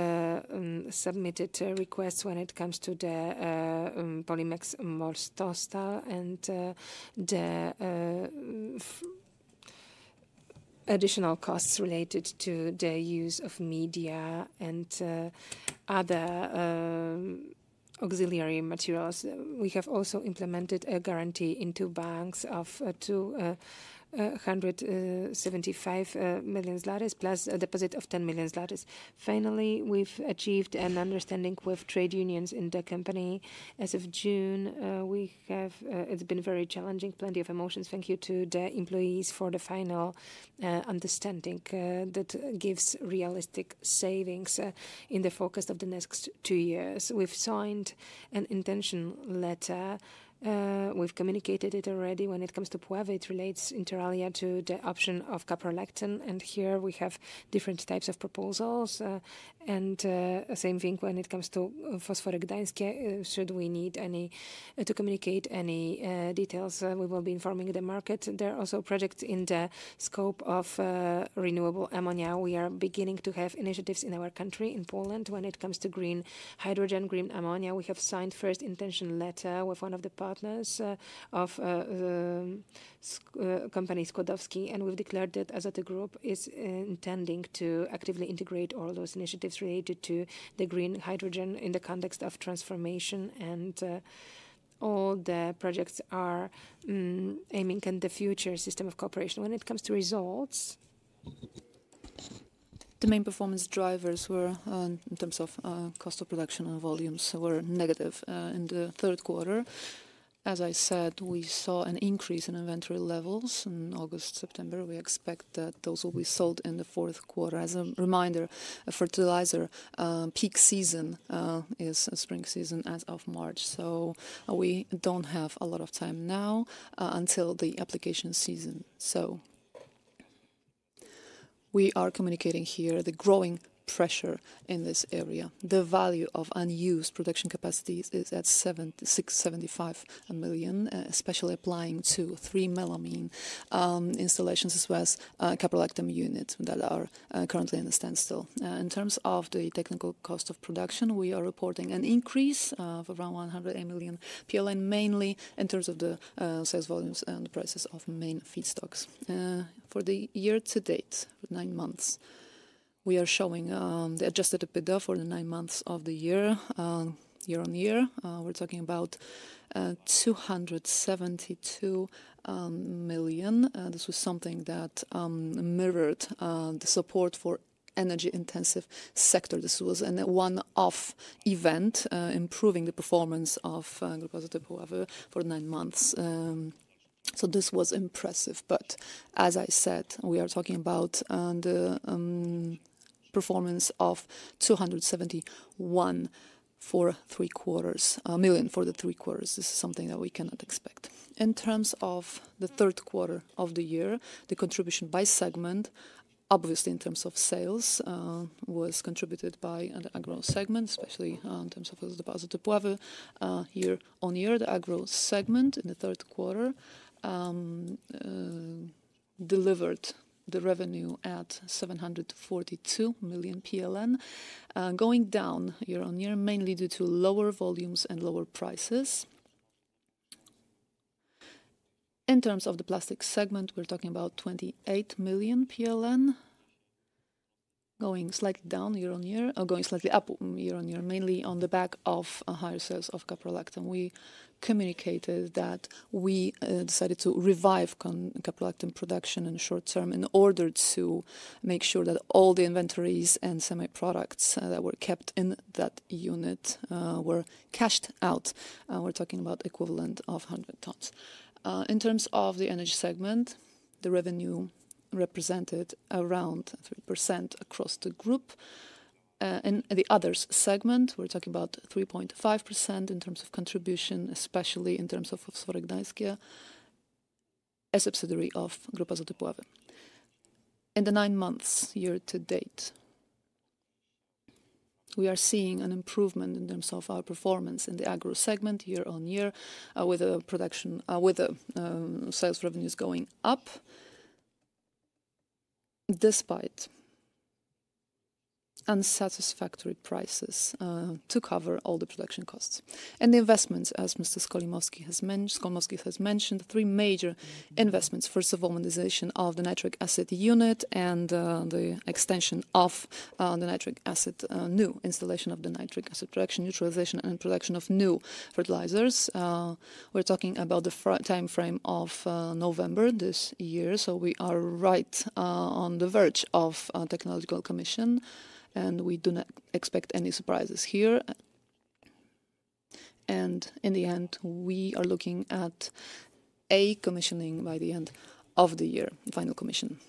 submitted requests when it comes to the Polimery Police and the additional costs related to the use of media and other auxiliary materials. We have also implemented a guarantee into banks of 275 million plus a deposit of 10 million. Finally, we've achieved an understanding with trade unions in the company. As of June, we have; it's been very challenging, plenty of emotions. Thank you to the employees for the final understanding that gives realistic savings in the focus of the next two years. We've signed an intention letter. We've communicated it already. When it comes to Puławy, it relates inter alia to the option of caprolactam, and here we have different types of proposals, and same thing when it comes to Fosfory. Should we need to communicate any details, we will be informing the market. There are also projects in the scope of renewable ammonia. We are beginning to have initiatives in our country, in Poland, when it comes to green hydrogen, green ammonia. We have signed letter of intent with one of the partners of company Skłodowscy, and we've declared that Azoty Group is intending to actively integrate all those initiatives related to the green hydrogen in the context of transformation, and all the projects are aiming in the future system of cooperation. When it comes to results, the main performance drivers were in terms of cost of production and volumes were negative in the Q3. As I said, we saw an increase in inventory levels in August, September. We expect that those will be sold in the Q4. As a reminder, a fertilizer peak season is spring season as of March. So we don't have a lot of time now until the application season. So we are communicating here the growing pressure in this area. The value of unused production capacity is at 675 million, especially applying to three melamine installations as well as caprolactam units that are currently in a standstill. In terms of the technical cost of production, we are reporting an increase of around 100 million PLN, mainly in terms of the sales volumes and the prices of main feedstocks. For the year to date, nine months, we are showing the adjusted EBITDA for the nine months of the year. Year on year, we're talking about 272 million. This was something that mirrored the support for energy-intensive sector. This was a one-off event improving the performance of Grupa Azoty Puławy for nine months. So this was impressive. But as I said, we are talking about the performance of 271 million for the three quarters. This is something that we cannot expect. In terms of the Q3 of the year, the contribution by segment, obviously in terms of sales, was contributed by the agro segment, especially in terms of the deposit of Puławy. Year on year, the agro segment in the Q3 delivered the revenue at 742 million PLN, going down year on year, mainly due to lower volumes and lower prices. In terms of the plastic segment, we're talking about 28 million PLN, going slightly down year on year, going slightly up year on year, mainly on the back of higher sales of caprolactam. We communicated that we decided to revive caprolactam production in the short term in order to make sure that all the inventories and semi-products that were kept in that unit were cashed out. We're talking about the equivalent of 100 tons. In terms of the energy segment, the revenue represented around 3% across the group. In the others segment, we're talking about 3.5% in terms of contribution, especially in terms of Grupa Azoty Fosfory as a subsidiary of Grupa Azoty Puławy. In the nine months year to date, we are seeing an improvement in terms of our performance in the agro segment year on year, with sales revenues going up despite unsatisfactory prices to cover all the production costs. And the investments, as Mr. Skolmowski has mentioned, three major investments. First of all, modernization of the nitric acid unit and the extension of the nitric acid new installation of the nitric acid production, neutralization, and production of new fertilizers. We're talking about the timeframe of November this year. So we are right on the verge of technological commission, and we do not expect any surprises here. And in the end, we are looking at a commissioning by the end of the year, final commission.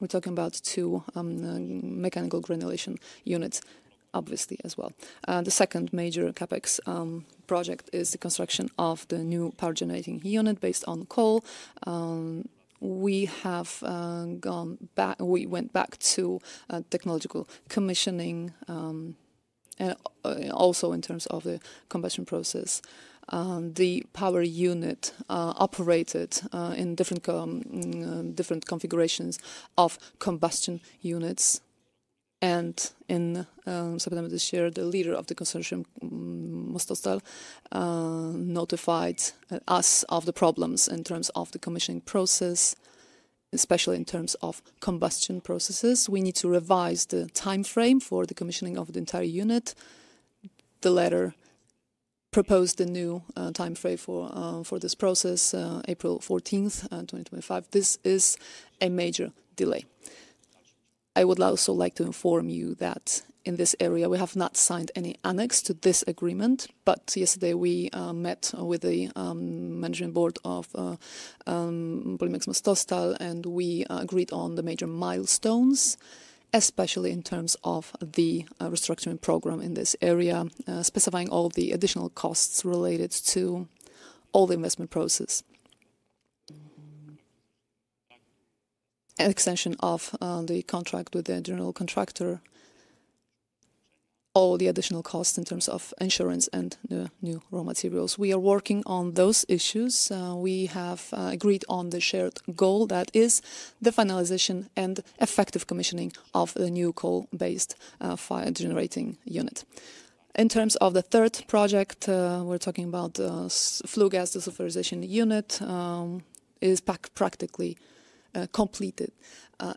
We're talking about two mechanical granulation units, obviously, as well. The second major CAPEX project is the construction of the new power generating unit based on coal. We have gone back, we went back to technological commissioning, also in terms of the combustion process. The power unit operated in different configurations of combustion units. In September this year, the leader of the consortium, Mostostal, notified us of the problems in terms of the commissioning process, especially in terms of combustion processes. We need to revise the timeframe for the commissioning of the entire unit. The letter proposed a new timeframe for this process, April 14, 2025. This is a major delay. I would also like to inform you that in this area, we have not signed any annex to this agreement, but yesterday we met with the management board of Polimex Mostostal, and we agreed on the major milestones, especially in terms of the restructuring program in this area, specifying all the additional costs related to all the investment process. Extension of the contract with the general contractor, all the additional costs in terms of insurance and new raw materials. We are working on those issues. We have agreed on the shared goal that is the finalization and effective commissioning of the new coal-fired power generating unit. In terms of the third project, we're talking about the flue gas desulfurization unit is practically completed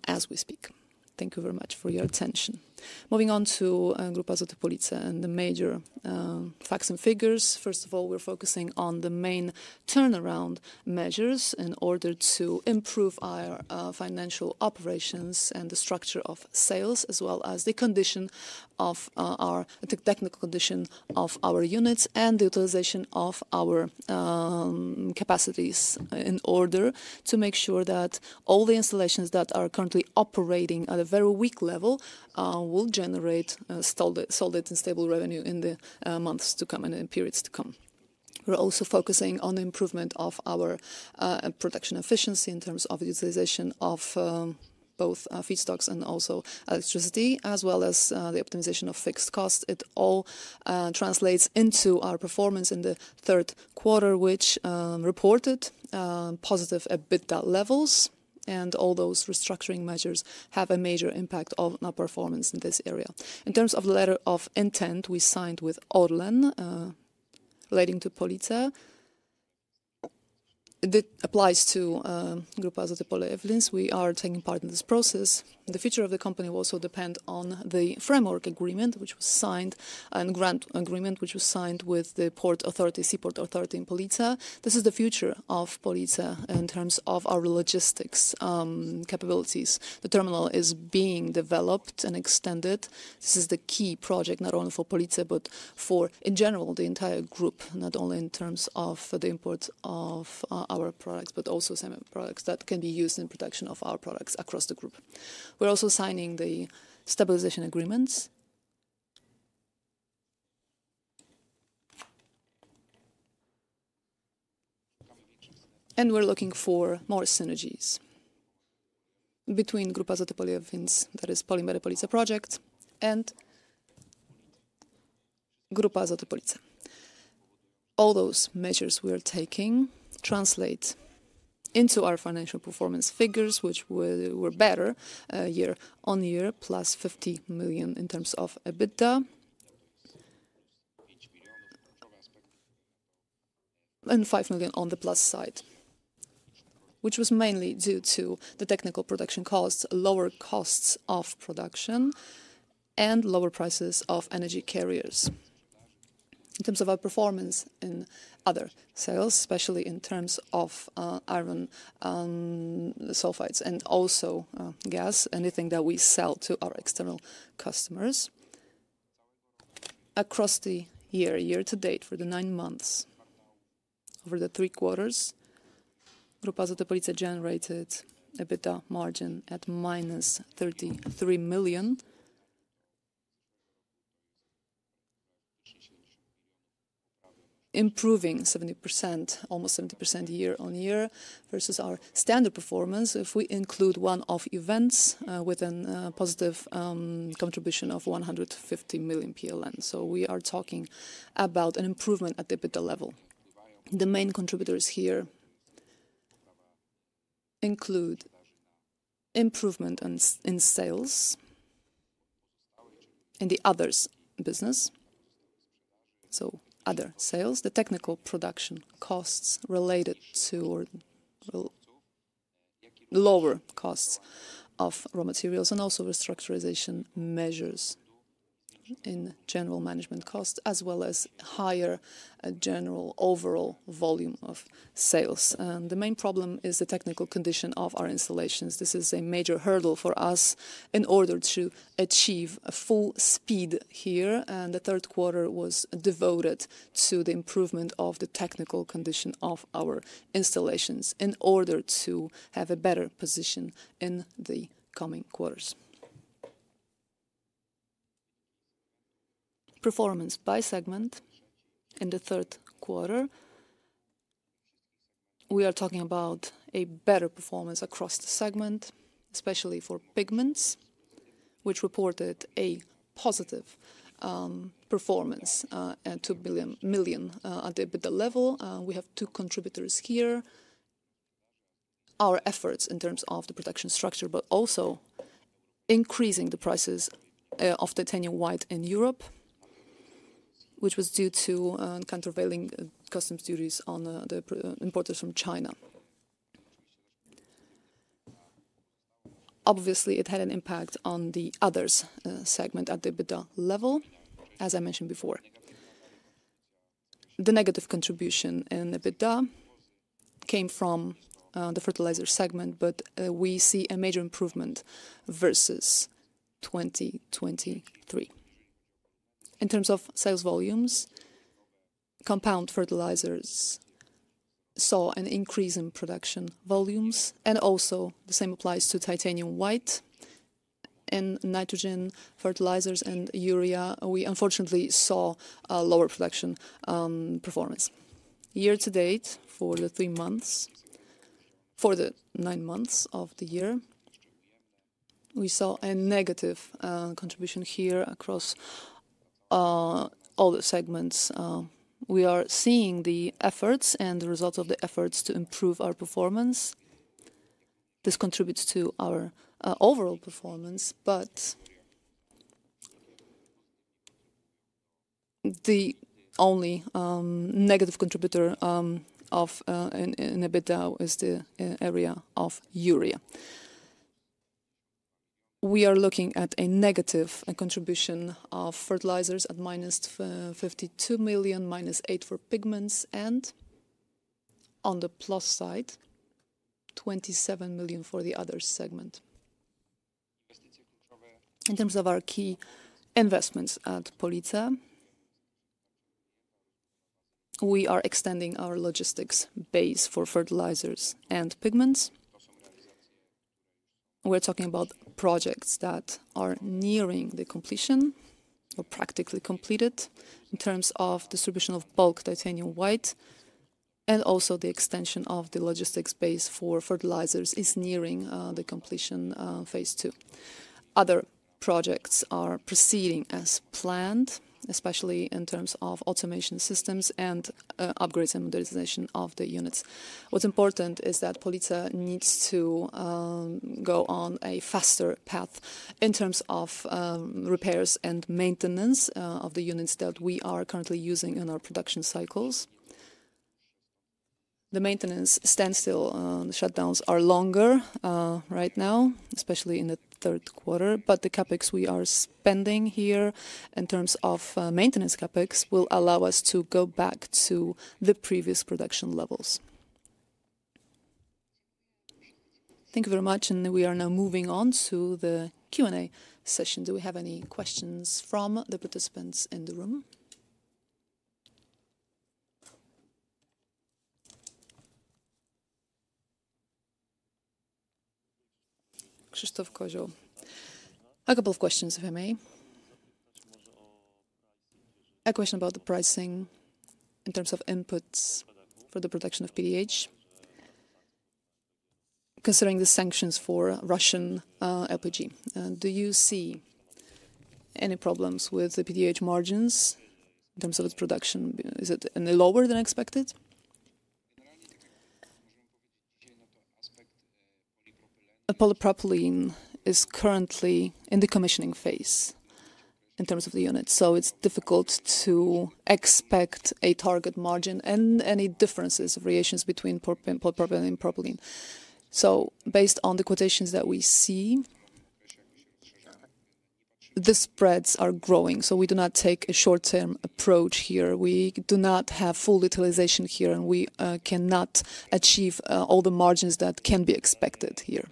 as we speak. Thank you very much for your attention. Moving on to Grupa Azoty Polyolefins and the major facts and figures. First of all, we're focusing on the main turnaround measures in order to improve our financial operations and the structure of sales, as well as the technical condition of our units and the utilization of our capacities in order to make sure that all the installations that are currently operating at a very weak level will generate solid and stable revenue in the months to come and in periods to come. We're also focusing on the improvement of our production efficiency in terms of utilization of both feedstocks and also electricity, as well as the optimization of fixed costs. It all translates into our performance in the Q3, which reported positive EBITDA levels. And all those restructuring measures have a major impact on our performance in this area. In terms of the letter of intent, we signed with ORLEN relating to Police. It applies to Grupa Azoty Polyolefins. We are taking part in this process. The future of the company will also depend on the framework agreement, which was signed, and grant agreement, which was signed with the port authority, seaport authority in Police. This is the future of Police in terms of our logistics capabilities. The terminal is being developed and extended. This is the key project not only for Police, but for, in general, the entire group, not only in terms of the import of our products, but also semi-products that can be used in production of our products across the group. We're also signing the stabilization agreements, and we're looking for more synergies between Grupa Azoty Polyolefins, that is, Polimery Police project and Grupa Azoty Polyolefins. All those measures we are taking translate into our financial performance figures, which were better year on year, plus 50 million in terms of EBITDA and 5 million on the plus side, which was mainly due to the technical production costs, lower costs of production, and lower prices of energy carriers. In terms of our performance in other sales, especially in terms of iron sulfides and also gas, anything that we sell to our external customers. Across the year, year to date for the nine months, over the three quarters, Grupa Azoty S.A. generated EBITDA margin at minus 33 million, improving 70%, almost 70% year on year versus our standard performance if we include one-off events with a positive contribution of 150 million PLN. So we are talking about an improvement at the EBITDA level. The main contributors here include improvement in sales in the others business, so other sales, the technical production costs related to lower costs of raw materials, and also restructuring measures in general management costs, as well as higher general overall volume of sales. The main problem is the technical condition of our installations. This is a major hurdle for us in order to achieve a full speed here. The Q3 was devoted to the improvement of the technical condition of our installations in order to have a better position in the coming quarters. Performance by segment in the Q3. We are talking about a better performance across the segment, especially for pigments, which reported a positive performance at 2 million at the EBITDA level. We have two contributors here, our efforts in terms of the production structure, but also increasing the prices of the titanium white in Europe, which was due to countervailing customs duties on imports from China. Obviously, it had an impact on the others segment at the EBITDA level, as I mentioned before. The negative contribution in EBITDA came from the fertilizer segment, but we see a major improvement versus 2023. In terms of sales volumes, compound fertilizers saw an increase in production volumes. And also, the same applies to titanium white and nitrogen fertilizers and urea. We, unfortunately, saw lower production performance. Year to date for the three months, for the nine months of the year, we saw a negative contribution here across all the segments. We are seeing the efforts and the results of the efforts to improve our performance. This contributes to our overall performance, but the only negative contributor in EBITDA is the area of urea. We are looking at a negative contribution of fertilizers at -52 million, -8 million for pigments, and on the plus side, 27 million for the other segment. In terms of our key investments at Polyolefins, we are extending our logistics base for fertilizers and pigments. We're talking about projects that are nearing the completion or practically completed in terms of distribution of bulk titanium white, and also the extension of the logistics base for fertilizers is nearing the completion phase two. Other projects are proceeding as planned, especially in terms of automation systems and upgrades and modernization of the units. What's important is that Police needs to go on a faster path in terms of repairs and maintenance of the units that we are currently using in our production cycles. The maintenance standstill shutdowns are longer right now, especially in the Q3, but the CAPEX we are spending here in terms of maintenance CAPEX will allow us to go back to the previous production levels. Thank you very much, and we are now moving on to the Q&A session. Do we have any questions from the participants in the room? Krzysztof Kozioł, a couple of questions, if I may. A question about the pricing in terms of inputs for the production of PDH, considering the sanctions for Russian LPG. Do you see any problems with the PDH margins in terms of its production? Is it lower than expected? Polypropylene is currently in the commissioning phase in terms of the unit, so it's difficult to expect a target margin and any differences of variations between polypropylene and propylene, so based on the quotations that we see, the spreads are growing, so we do not take a short-term approach here. We do not have full utilization here, and we cannot achieve all the margins that can be expected here.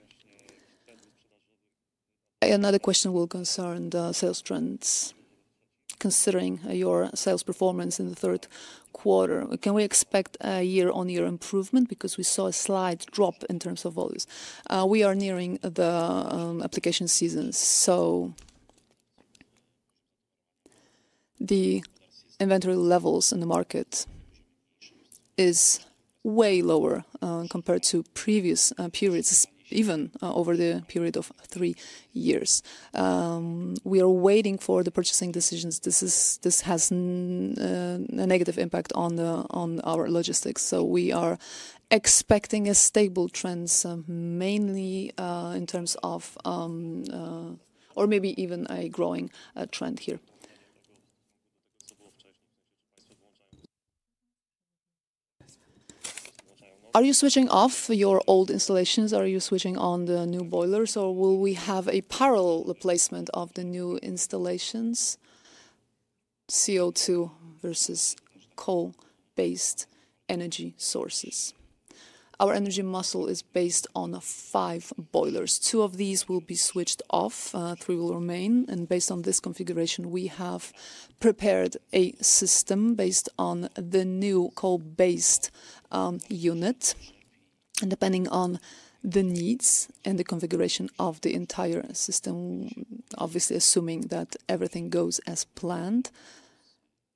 Another question will concern the sales trends. Considering your sales performance in the Q3, can we expect a year-on-year improvement? Because we saw a slight drop in terms of volumes. We are nearing the application season, so the inventory levels in the market are way lower compared to previous periods, even over the period of three years. We are waiting for the purchasing decisions. This has a negative impact on our logistics, so we are expecting stable trends, mainly in terms of, or maybe even a growing trend here. Are you switching off your old installations? Are you switching on the new boilers, or will we have a parallel replacement of the new installations, CO2 versus coal-based energy sources? Our energy mix is based on five boilers. Two of these will be switched off. Three will remain. And based on this configuration, we have prepared a system based on the new coal-based unit. Depending on the needs and the configuration of the entire system, obviously assuming that everything goes as planned,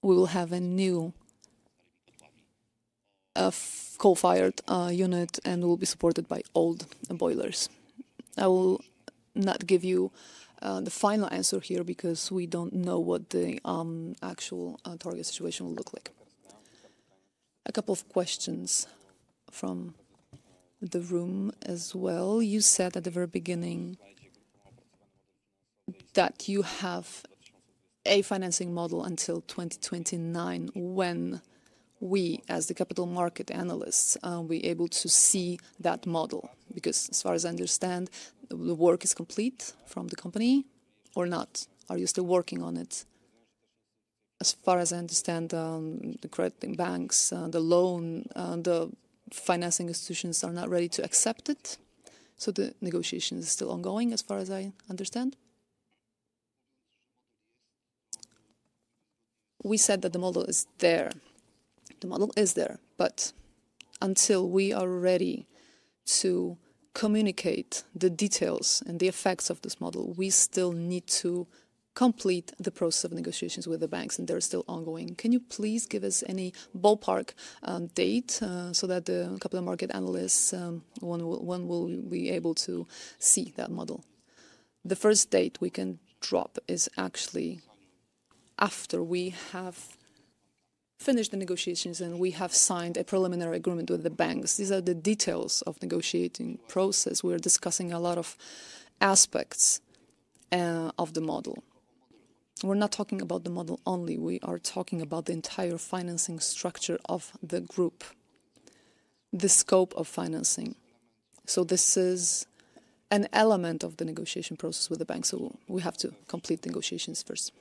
we will have a new coal-fired unit and will be supported by old boilers. I will not give you the final answer here because we don't know what the actual target situation will look like. A couple of questions from the room as well. You said at the very beginning that you have a financing model until 2029. When we, as the capital market analysts, will be able to see that model? Because as far as I understand, the work is complete from the company or not? Are you still working on it? As far as I understand, the credit banks, the loan, the financing institutions are not ready to accept it. So the negotiation is still ongoing as far as I understand. We said that the model is there. The model is there, but until we are ready to communicate the details and the effects of this model, we still need to complete the process of negotiations with the banks, and they're still ongoing. Can you please give us any ballpark date so that the capital market analysts will be able to see that model? The first date we can drop is actually after we have finished the negotiations and we have signed a preliminary agreement with the banks. These are the details of the negotiating process. We are discussing a lot of aspects of the model. We're not talking about the model only. We are talking about the entire financing structure of the group, the scope of financing. So this is an element of the negotiation process with the banks. So we have to complete negotiations first.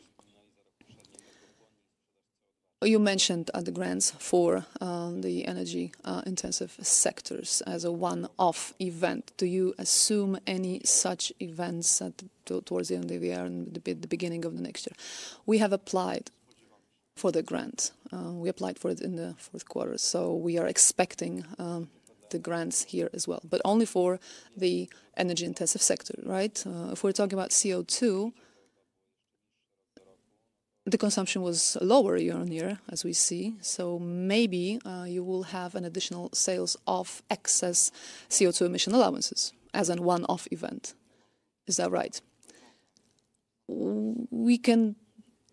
You mentioned the grants for the energy-intensive sectors as a one-off event. Do you assume any such events towards the end of the year and the beginning of the next year? We have applied for the grants. We applied for it in the Q4, so we are expecting the grants here as well. But only for the energy-intensive sector, right? If we're talking about CO2, the consumption was lower year on year, as we see. So maybe you will have an additional sales of excess CO2 emission allowances as a one-off event. Is that right? We can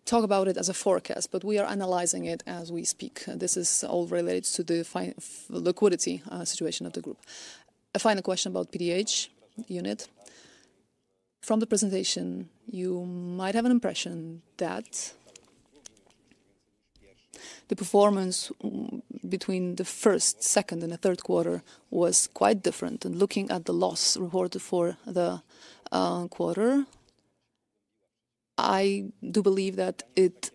talk about it as a forecast, but we are analyzing it as we speak. This is all related to the liquidity situation of the group. A final question about the PDH unit. From the presentation, you might have an impression that the performance between the first, second, and the Q3 was quite different. And looking at the loss reported for the quarter, I do believe that it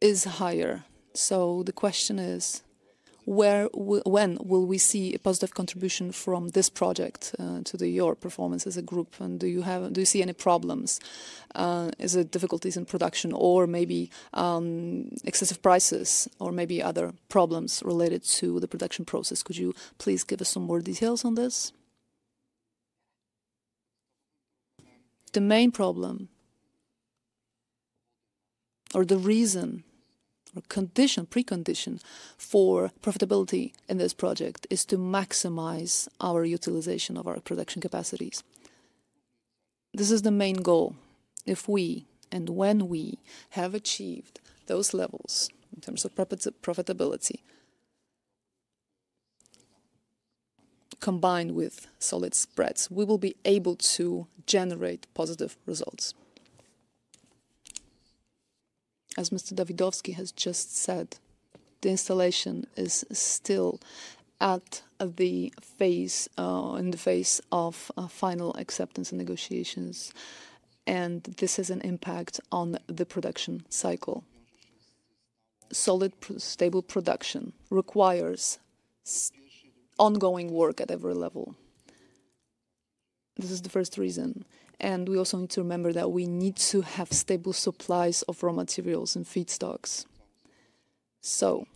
is higher. So the question is, when will we see a positive contribution from this project to your performance as a group? And do you see any problems? Is it difficulties in production or maybe excessive prices or maybe other problems related to the production process? Could you please give us some more details on this? The main problem or the reason or precondition for profitability in this project is to maximize our utilization of our production capacities. This is the main goal. If we and when we have achieved those levels in terms of profitability, combined with solid spreads, we will be able to generate positive results. As Mr. Dawidowski has just said, the installation is still in the phase of final acceptance and negotiations, and this has an impact on the production cycle. Solid, stable production requires ongoing work at every level. This is the first reason. And we also need to remember that we need to have stable supplies of raw materials and feedstocks. So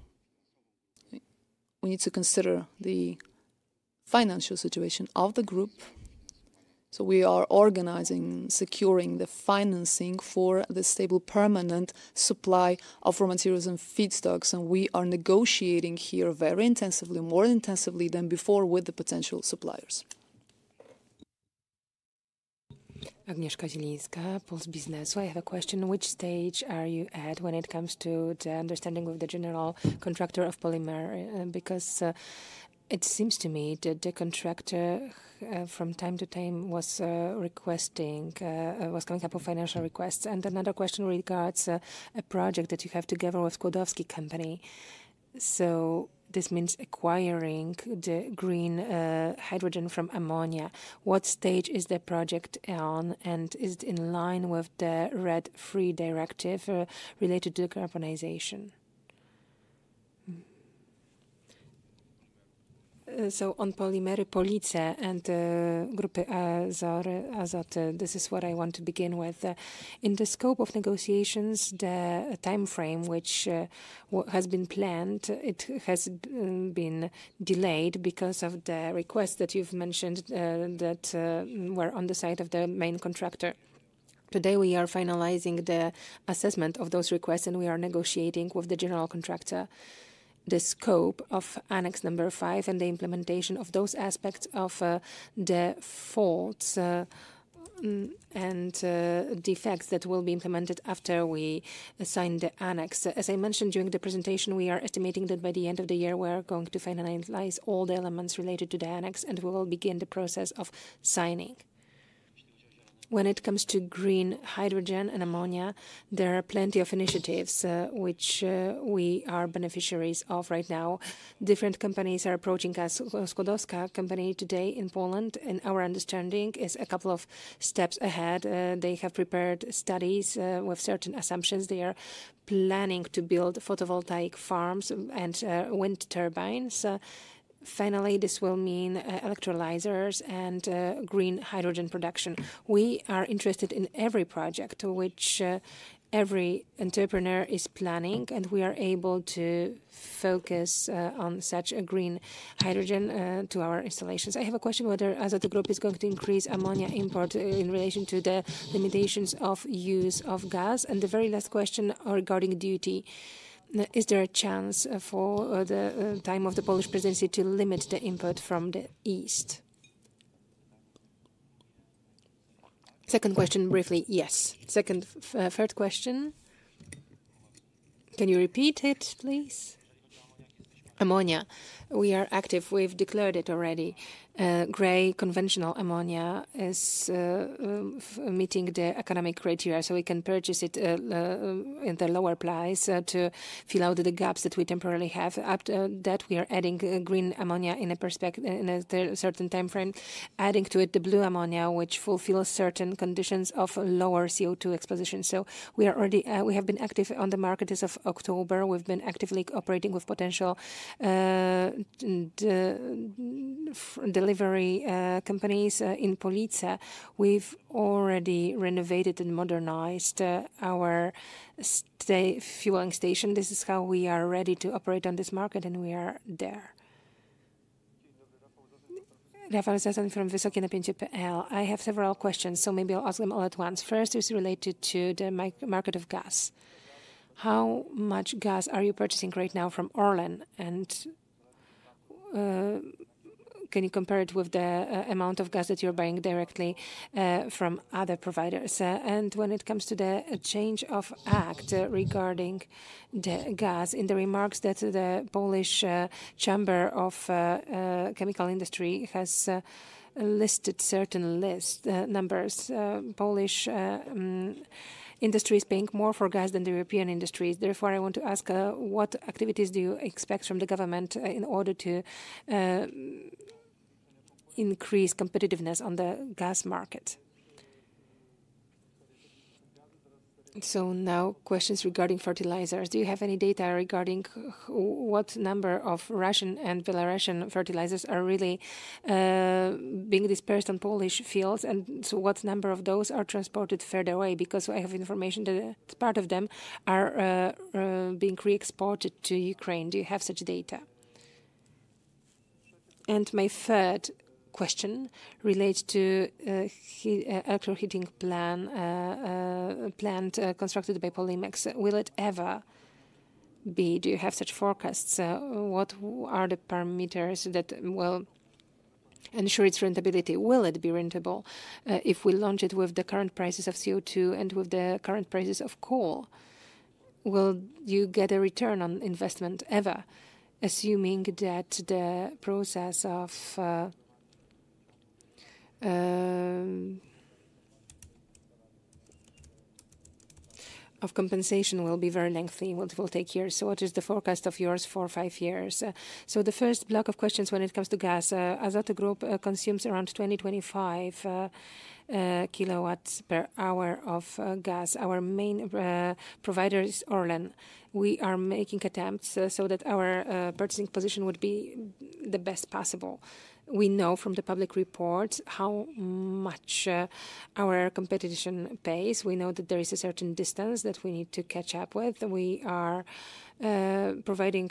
we need to consider the financial situation of the group. So we are organizing, securing the financing for the stable permanent supply of raw materials and feedstocks, and we are negotiating here very intensively, more intensively than before with the potential suppliers. Agnieszka Zielińska, Puls Biznesu. I have a question. Which stage are you at when it comes to the understanding with the general contractor of polymer? Because it seems to me that the contractor, from time to time, was coming up with financial requests. Another question regards a project that you have together with Skłodowscy Company. So this means acquiring the green hydrogen from ammonia. What stage is the project on, and is it in line with the RED III directive related to decarbonization? On Polimery Police and Grupa Azoty, this is what I want to begin with. In the scope of negotiations, the timeframe which has been planned. It has been delayed because of the requests that you've mentioned that were on the side of the main contractor. Today, we are finalizing the assessment of those requests, and we are negotiating with the general contractor the scope of Annex number 5 and the implementation of those aspects of the faults and defects that will be implemented after we sign the annex. As I mentioned during the presentation, we are estimating that by the end of the year, we are going to finalize all the elements related to the annex, and we will begin the process of signing. When it comes to green hydrogen and ammonia, there are plenty of initiatives which we are beneficiaries of right now. Different companies are approaching us. Skłodowscy Company today in Poland, in our understanding, is a couple of steps ahead. They have prepared studies with certain assumptions. They are planning to build photovoltaic farms and wind turbines. Finally, this will mean electrolyzers and green hydrogen production. We are interested in every project which every entrepreneur is planning, and we are able to focus on such a green hydrogen to our installations. I have a question whether Azoty Group is going to increase ammonia import in relation to the limitations of use of gas. And the very last question regarding duty. Is there a chance for the time of the Polish presidency to limit the import from the east? Second question, briefly. Yes. Third question. Can you repeat it, please? Ammonia. We are active. We've declared it already. Gray conventional ammonia is meeting the economic criteria, so we can purchase it at a lower price to fill out the gaps that we temporarily have. That we are adding green ammonia in a certain timeframe, adding to it the blue ammonia, which fulfills certain conditions of lower CO2 emissions. So we have been active on the market as of October. We've been actively operating with potential delivery companies in Police. We've already renovated and modernized our fueling station. This is how we are ready to operate on this market, and we are there. Rafał Zasuń from WysokieNapiecie.pl, I have several questions, so maybe I'll ask them all at once. First is related to the market of gas. How much gas are you purchasing right now from ORLEN? And can you compare it with the amount of gas that you're buying directly from other providers? And when it comes to the change of act regarding the gas, in the remarks that the Polish Chamber of Chemical Industry has listed certain numbers, Polish industry is paying more for gas than the European industry. Therefore, I want to ask what activities do you expect from the government in order to increase competitiveness on the gas market? So now questions regarding fertilizers. Do you have any data regarding what number of Russian and Belarusian fertilizers are really being dispersed on Polish fields? And so what number of those are transported further away? Because I have information that part of them are being re-exported to Ukraine. Do you have such data? And my third question relates to the electric heating plant constructed by Polimex. Will it ever be? Do you have such forecasts? What are the parameters that will ensure its rentability? Will it be rentable if we launch it with the current prices of CO2 and with the current prices of coal? Will you get a return on investment ever, assuming that the process of compensation will be very lengthy? It will take years. So what is the forecast of yours for five years? So the first block of questions when it comes to gas. Azoty Group consumes around 2025 kilowatts per hour of gas. Our main provider is ORLEN. We are making attempts so that our purchasing position would be the best possible. We know from the public reports how much our competition pays. We know that there is a certain distance that we need to catch up with. We are providing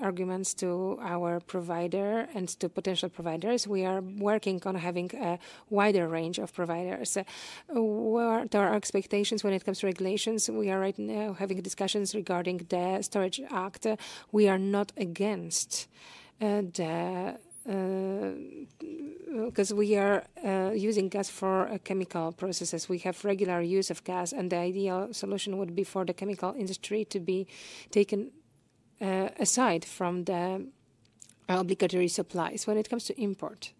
arguments to our provider and to potential providers. We are working on having a wider range of providers. What are our expectations when it comes to regulations? We are right now having discussions regarding the Storage Act. We are not against it because we are using gas for chemical processes. We have regular use of gas, and the ideal solution would be for the chemical industry to be taken aside from the obligatory supplies. When it comes to import,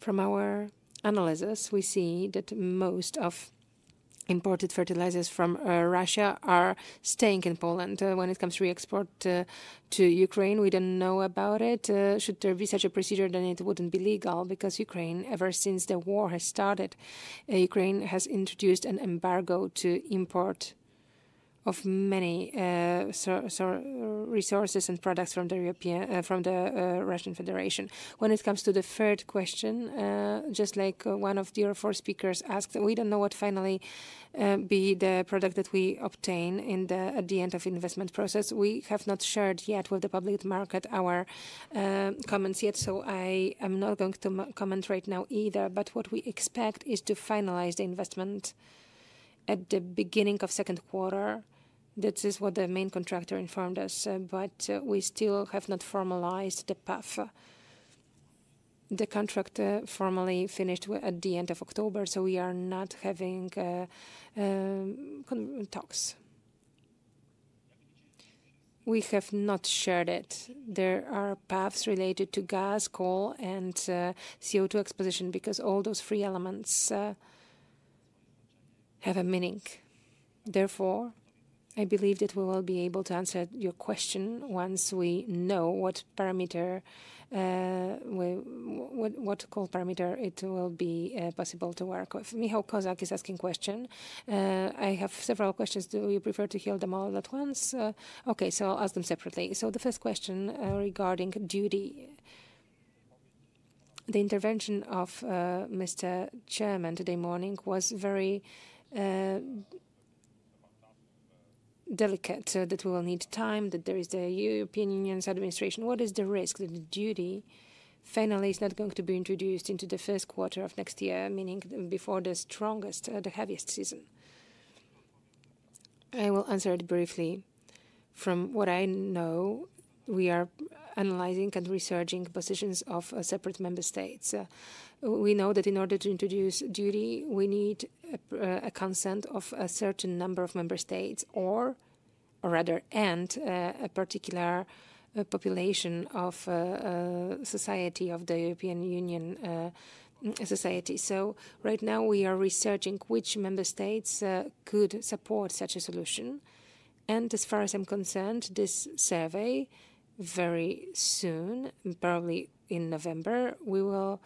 from our analysis, we see that most of imported fertilizers from Russia are staying in Poland. When it comes to re-export to Ukraine, we didn't know about it. Should there be such a procedure, then it wouldn't be legal because Ukraine, ever since the war has started, Ukraine has introduced an embargo to import of many resources and products from the Russian Federation. When it comes to the third question, just like one of the other four speakers asked, we don't know what finally will be the product that we obtain at the end of the investment process. We have not shared yet with the public market our comments yet, so I am not going to comment right now either. What we expect is to finalize the investment at the beginning of the Q2. This is what the main contractor informed us, but we still have not formalized the PAF. The contract formally finished at the end of October, so we are not having talks. We have not shared it. There are PAFs related to gas, coal, and CO2 exposure because all those three elements have a meaning. Therefore, I believe that we will be able to answer your question once we know what coal parameter it will be possible to work with. Michał Kozak is asking a question. I have several questions. Do you prefer to hear them all at once? Okay, so I'll ask them separately. So the first question regarding duty. The intervention of Mr. Chairman today morning was very delicate that we will need time, that there is the European Union's administration. What is the risk that the duty finally is not going to be introduced into the Q1 of next year, meaning before the strongest, the heaviest season? I will answer it briefly. From what I know, we are analyzing and researching positions of separate member states. We know that in order to introduce duty, we need a consent of a certain number of member states or rather a particular population of society of the European Union society, so right now, we are researching which member states could support such a solution, and as far as I'm concerned, this survey, very soon, probably in November, we will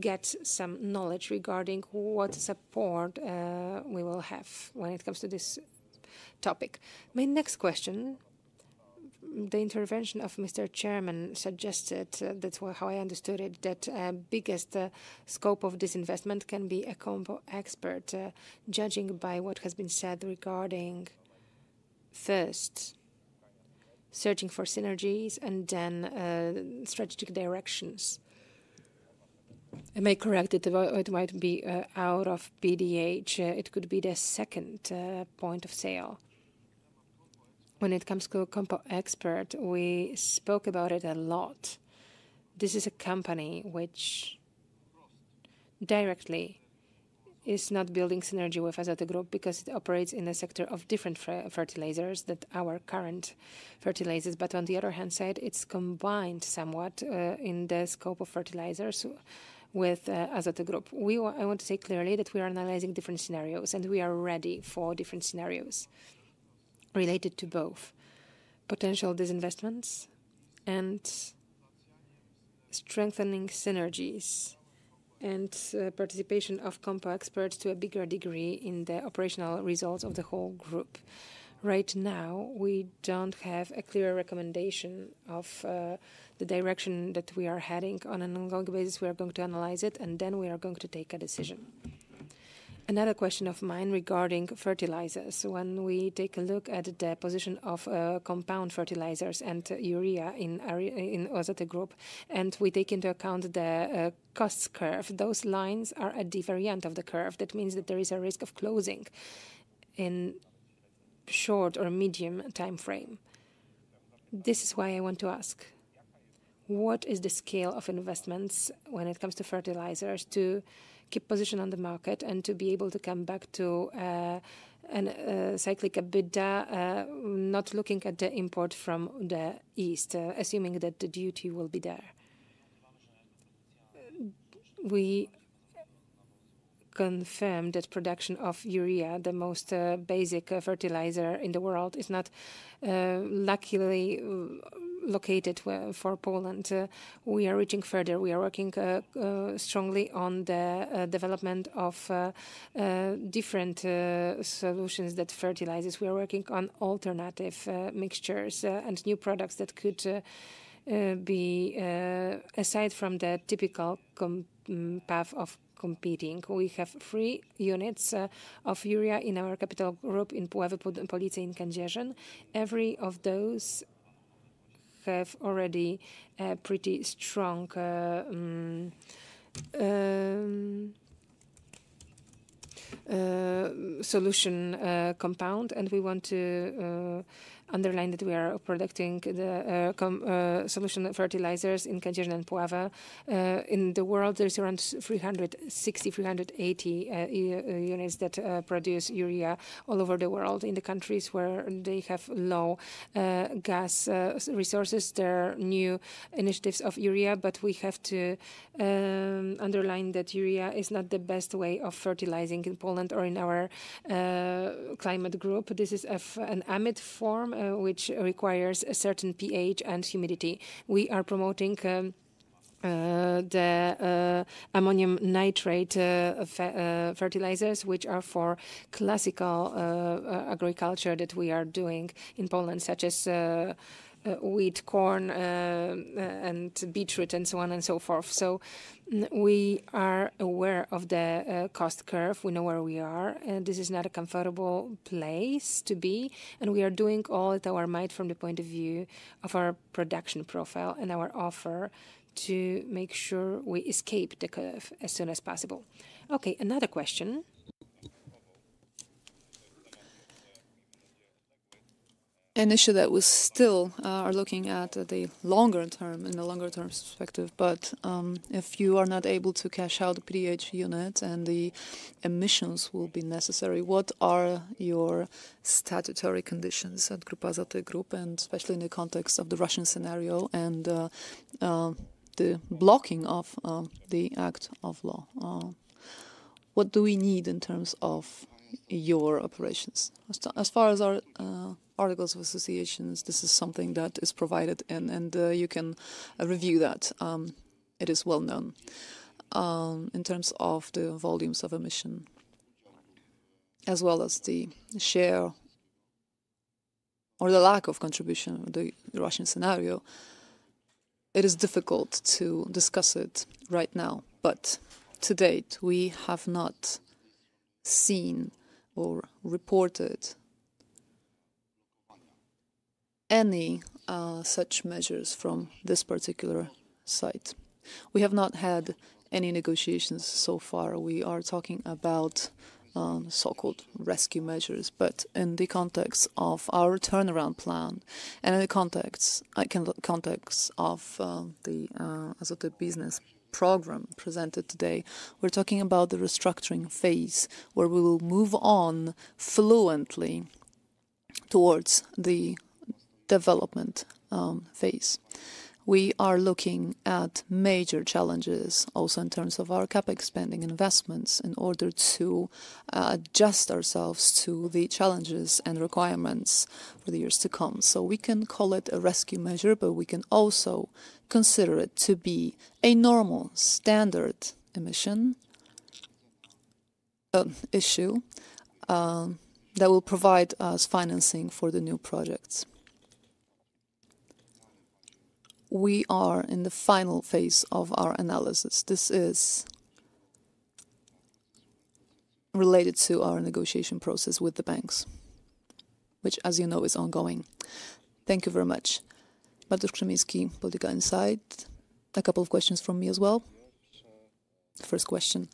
get some knowledge regarding what support we will have when it comes to this topic. My next question, the intervention of Mr. Chairman suggested, that's how I understood it, that the biggest scope of this investment can be a Compo Expert, judging by what has been said regarding first searching for synergies and then strategic directions. I may correct it. It might be out of PDH. It could be the second point of sale. When it comes to a Compo Expert, we spoke about it a lot. This is a company which directly is not building synergy with Azoty Group because it operates in a sector of different fertilizers than our current fertilizers, but on the other hand, it's combined somewhat in the scope of fertilizers with Azoty Group. I want to say clearly that we are analyzing different scenarios, and we are ready for different scenarios related to both potential disinvestments and strengthening synergies and participation of Compo Expert to a bigger degree in the operational results of the whole group. Right now, we don't have a clear recommendation of the direction that we are heading on an ongoing basis. We are going to analyze it, and then we are going to take a decision. Another question of mine regarding fertilizers. When we take a look at the position of compound fertilizers and urea in Grupa Azoty, and we take into account the cost curve, those lines are at the very end of the curve. That means that there is a risk of closing in short or medium timeframe. This is why I want to ask, what is the scale of investments when it comes to fertilizers to keep position on the market and to be able to come back to a cyclic EBITDA, not looking at the import from the east, assuming that the duty will be there? We confirm that production of urea, the most basic fertilizer in the world, is not luckily located for Poland. We are reaching further. We are working strongly on the development of different solutions that fertilizes. We are working on alternative mixtures and new products that could be aside from the typical path of competing. We have three units of urea in our capital group in Puławy, Police, and Kędzierzyn. Every of those has already a pretty strong solution compound, and we want to underline that we are producing the solution fertilizers in Kędzierzyn and Puławy. In the world, there are around 360-380 units that produce urea all over the world. In the countries where they have low gas resources, there are new initiatives of urea, but we have to underline that urea is not the best way of fertilizing in Poland or in our climate group. This is an amide form which requires a certain pH and humidity. We are promoting the ammonium nitrate fertilizers, which are for classical agriculture that we are doing in Poland, such as wheat, corn, and beet, and so on and so forth. So we are aware of the cost curve. We know where we are. This is not a comfortable place to be, and we are doing all at our might from the point of view of our production profile and our offer to make sure we escape the curve as soon as possible. Okay, another question. An issue that we still are looking at the longer term and the longer term perspective, but if you are not able to cash out the PDH unit and the emissions will be necessary, what are your statutory conditions at Grupa Azoty Group, and especially in the context of the Russian scenario and the blocking of the act of law? What do we need in terms of your operations? As far as our articles of association, this is something that is provided, and you can review that. It is well known. In terms of the volumes of emissions, as well as the share or the lack of contribution of the Russian scenario, it is difficult to discuss it right now, but to date, we have not seen or reported any such measures from this particular site. We have not had any negotiations so far. We are talking about so-called rescue measures, but in the context of our turnaround plan and in the context of the Azoty Business Program presented today, we're talking about the restructuring phase where we will move on fluently towards the development phase. We are looking at major challenges also in terms of our CAPEX spending investments in order to adjust ourselves to the challenges and requirements for the years to come. So we can call it a rescue measure, but we can also consider it to be a normal standard emission issue that will provide us financing for the new projects. We are in the final phase of our analysis. This is related to our negotiation process with the banks, which, as you know, is ongoing. Thank you very much. Mateusz Krzemiński, Polityka Insight. A couple of questions from me as well. The first question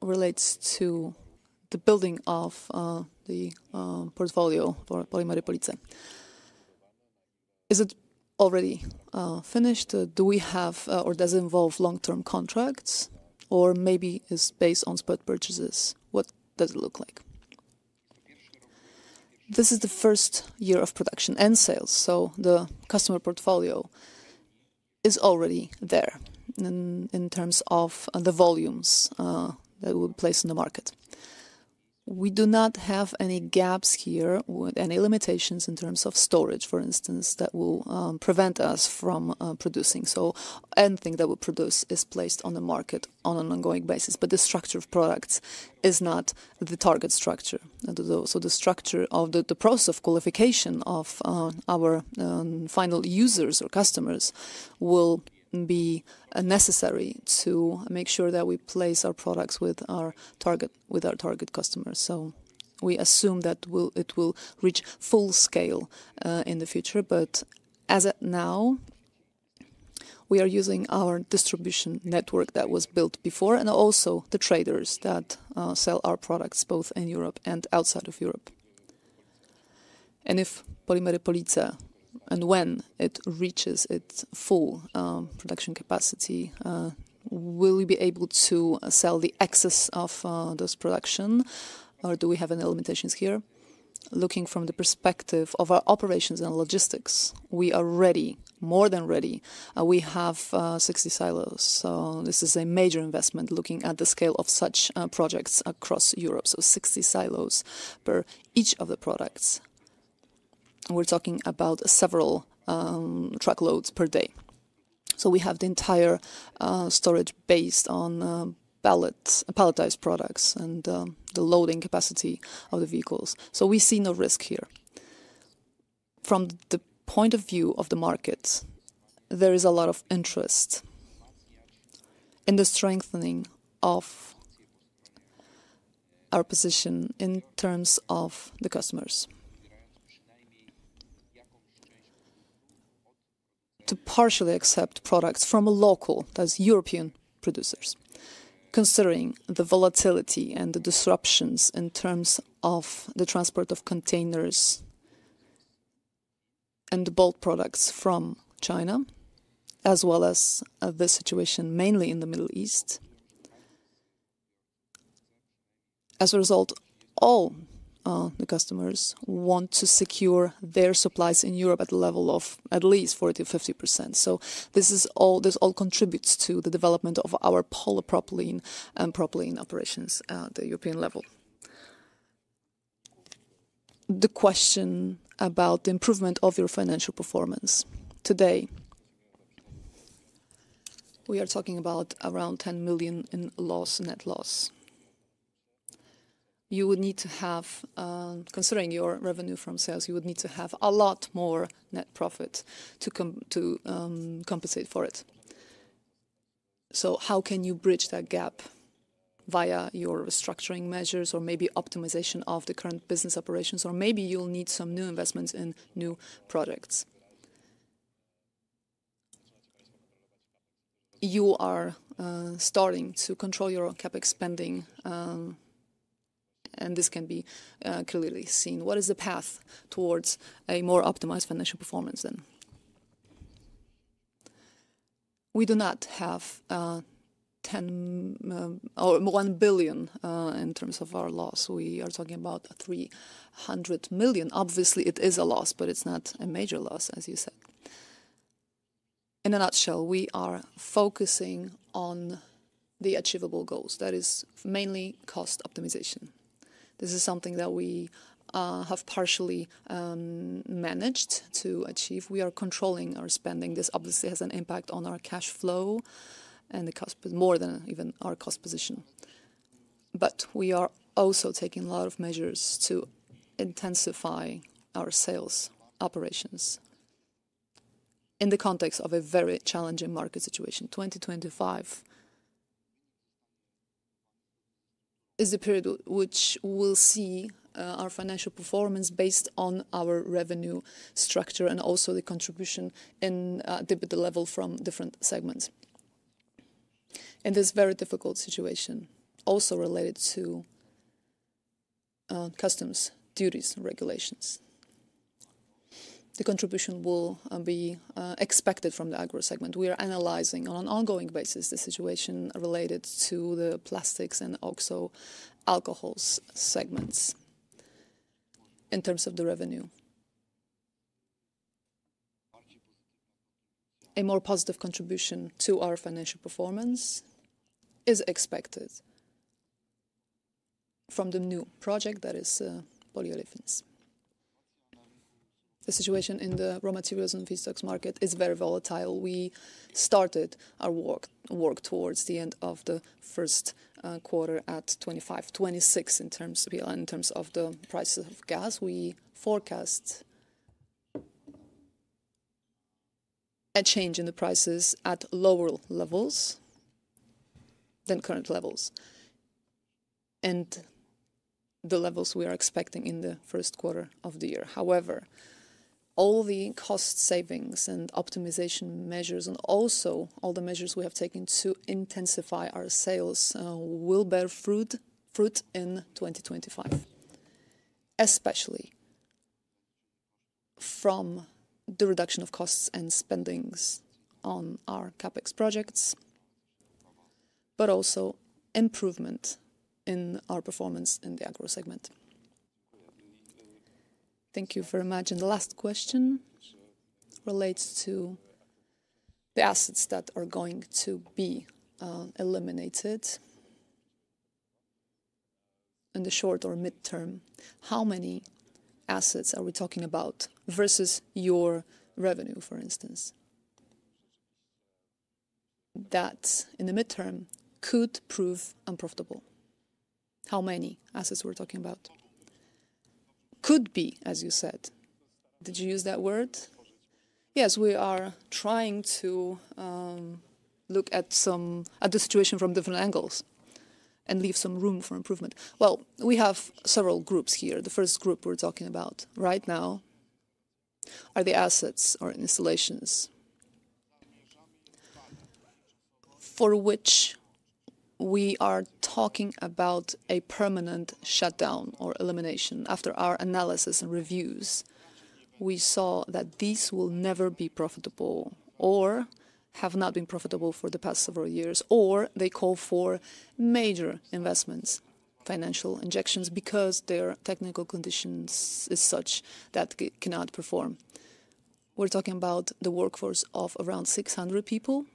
relates to the building of the portfolio for Polimery Police. Is it already finished? Do we have or does it involve long-term contracts, or maybe it's based on spot purchases? What does it look like? This is the first year of production and sales, so the customer portfolio is already there in terms of the volumes that will be placed in the market. We do not have any gaps here with any limitations in terms of storage, for instance, that will prevent us from producing. So anything that we produce is placed on the market on an ongoing basis, but the structure of products is not the target structure. So the structure of the process of qualification of our final users or customers will be necessary to make sure that we place our products with our target customers. So we assume that it will reach full scale in the future, but as of now, we are using our distribution network that was built before and also the traders that sell our products both in Europe and outside of Europe. And if Polimery Police and when it reaches its full production capacity, will we be able to sell the excess of those production, or do we have any limitations here? Looking from the perspective of our operations and logistics, we are ready, more than ready. We have 60 silos. So this is a major investment looking at the scale of such projects across Europe. So 60 silos per each of the products. We're talking about several truckloads per day. So we have the entire storage based on palletized products and the loading capacity of the vehicles. So we see no risk here. From the point of view of the market, there is a lot of interest in the strengthening of our position in terms of the customers to partially accept products from local, that is, European producers, considering the volatility and the disruptions in terms of the transport of containers and bulk products from China, as well as the situation mainly in the Middle East. As a result, all the customers want to secure their supplies in Europe at the level of at least 40%-50%. So this all contributes to the development of our polypropylene and propylene operations at the European level. The question about the improvement of your financial performance today, we are talking about around 10 million in loss, net loss. You would need to have, considering your revenue from sales, you would need to have a lot more net profit to compensate for it. So how can you bridge that gap via your restructuring measures or maybe optimization of the current business operations, or maybe you'll need some new investments in new products? You are starting to control your CAPEX spending, and this can be clearly seen. What is the path towards a more optimized financial performance then? We do not have 10 or one billion in terms of our loss. We are talking about 300 million. Obviously, it is a loss, but it's not a major loss, as you said. In a nutshell, we are focusing on the achievable goals. That is mainly cost optimization. This is something that we have partially managed to achieve. We are controlling our spending. This, obviously, has an impact on our cash flow and the cost, but more than even our cost position. But we are also taking a lot of measures to intensify our sales operations in the context of a very challenging market situation. 2025 is the period which we'll see our financial performance based on our revenue structure and also the contribution in debt level from different segments. And this is a very difficult situation, also related to customs duties and regulations. The contribution will be expected from the agro segment. We are analyzing on an ongoing basis the situation related to the plastics and also alcohols segments in terms of the revenue. A more positive contribution to our financial performance is expected from the new project that is Polyolefins. The situation in the raw materials and feedstocks market is very volatile. We started our work towards the end of the Q1 at 25-26 in terms of the prices of gas. We forecast a change in the prices at lower levels than current levels and the levels we are expecting in the Q1 of the year. However, all the cost savings and optimization measures, and also all the measures we have taken to intensify our sales, will bear fruit in 2025, especially from the reduction of costs and spending on our CAPEX projects, but also improvement in our performance in the agro segment. Thank you very much, and the last question relates to the assets that are going to be eliminated in the short or midterm. How many assets are we talking about versus your revenue, for instance, that in the midterm could prove unprofitable? How many assets we're talking about could be, as you said? Did you use that word? Yes, we are trying to look at the situation from different angles and leave some room for improvement. We have several groups here. The first group we're talking about right now are the assets or installations for which we are talking about a permanent shutdown or elimination. After our analysis and reviews, we saw that these will never be profitable or have not been profitable for the past several years, or they call for major investments, financial injections, because their technical conditions are such that they cannot perform. We're talking about the workforce of around 600 people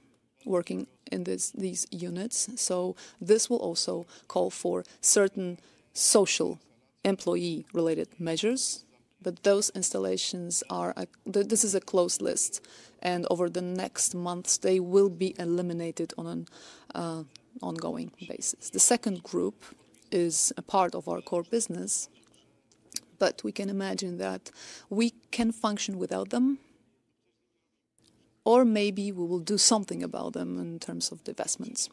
working in these units. So this will also call for certain social employee-related measures, but those installations are. This is a closed list, and over the next months, they will be eliminated on an ongoing basis. The second group is a part of our core business, but we can imagine that we can function without them, or maybe we will do something about them in terms of the investments.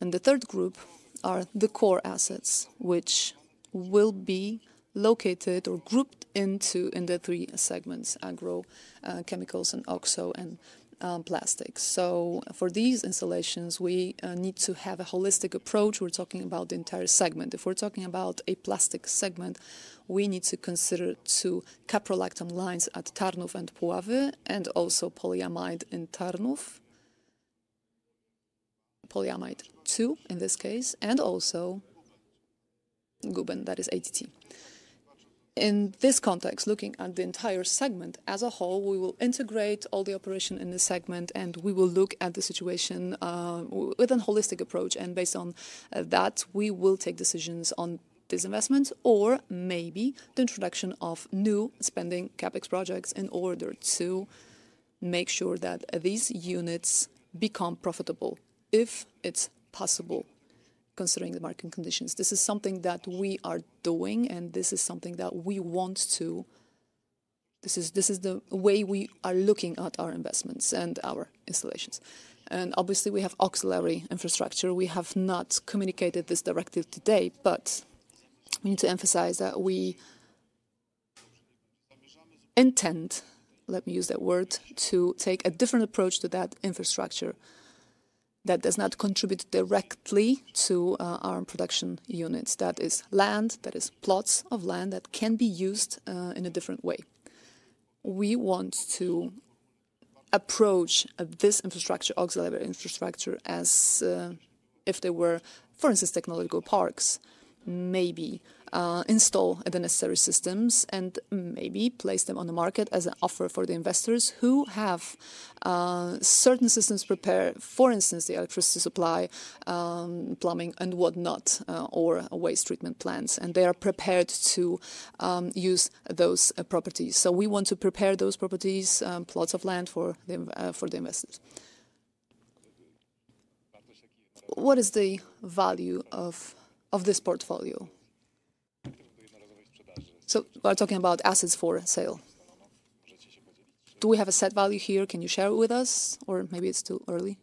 The third group are the core assets, which will be located or grouped into the three segments: agro, chemicals, and also plastics, so for these installations, we need to have a holistic approach. We're talking about the entire segment. If we're talking about a plastic segment, we need to consider caprolactam lines at Tarnów and Puławy, and also polyamide in Tarnów, polyamide six in this case, and also Guben, that is ATT. In this context, looking at the entire segment as a whole, we will integrate all the operation in the segment, and we will look at the situation with a holistic approach, and based on that, we will take decisions on these investments or maybe the introduction of new spending CAPEX projects in order to make sure that these units become profitable if it's possible, considering the market conditions. This is something that we are doing, and this is something that we want to, this is the way we are looking at our investments and our installations. And obviously, we have auxiliary infrastructure. We have not communicated this directly today, but we need to emphasize that we intend, let me use that word, to take a different approach to that infrastructure that does not contribute directly to our production units. That is land, that is plots of land that can be used in a different way. We want to approach this infrastructure, auxiliary infrastructure, as if they were, for instance, technological parks, maybe install the necessary systems and maybe place them on the market as an offer for the investors who have certain systems prepared, for instance, the electricity supply, plumbing, and whatnot, or waste treatment plants, and they are prepared to use those properties. We want to prepare those properties, plots of land for the investors. What is the value of this portfolio? We're talking about assets for sale. Do we have a set value here? Can you share it with us, or maybe it's too early?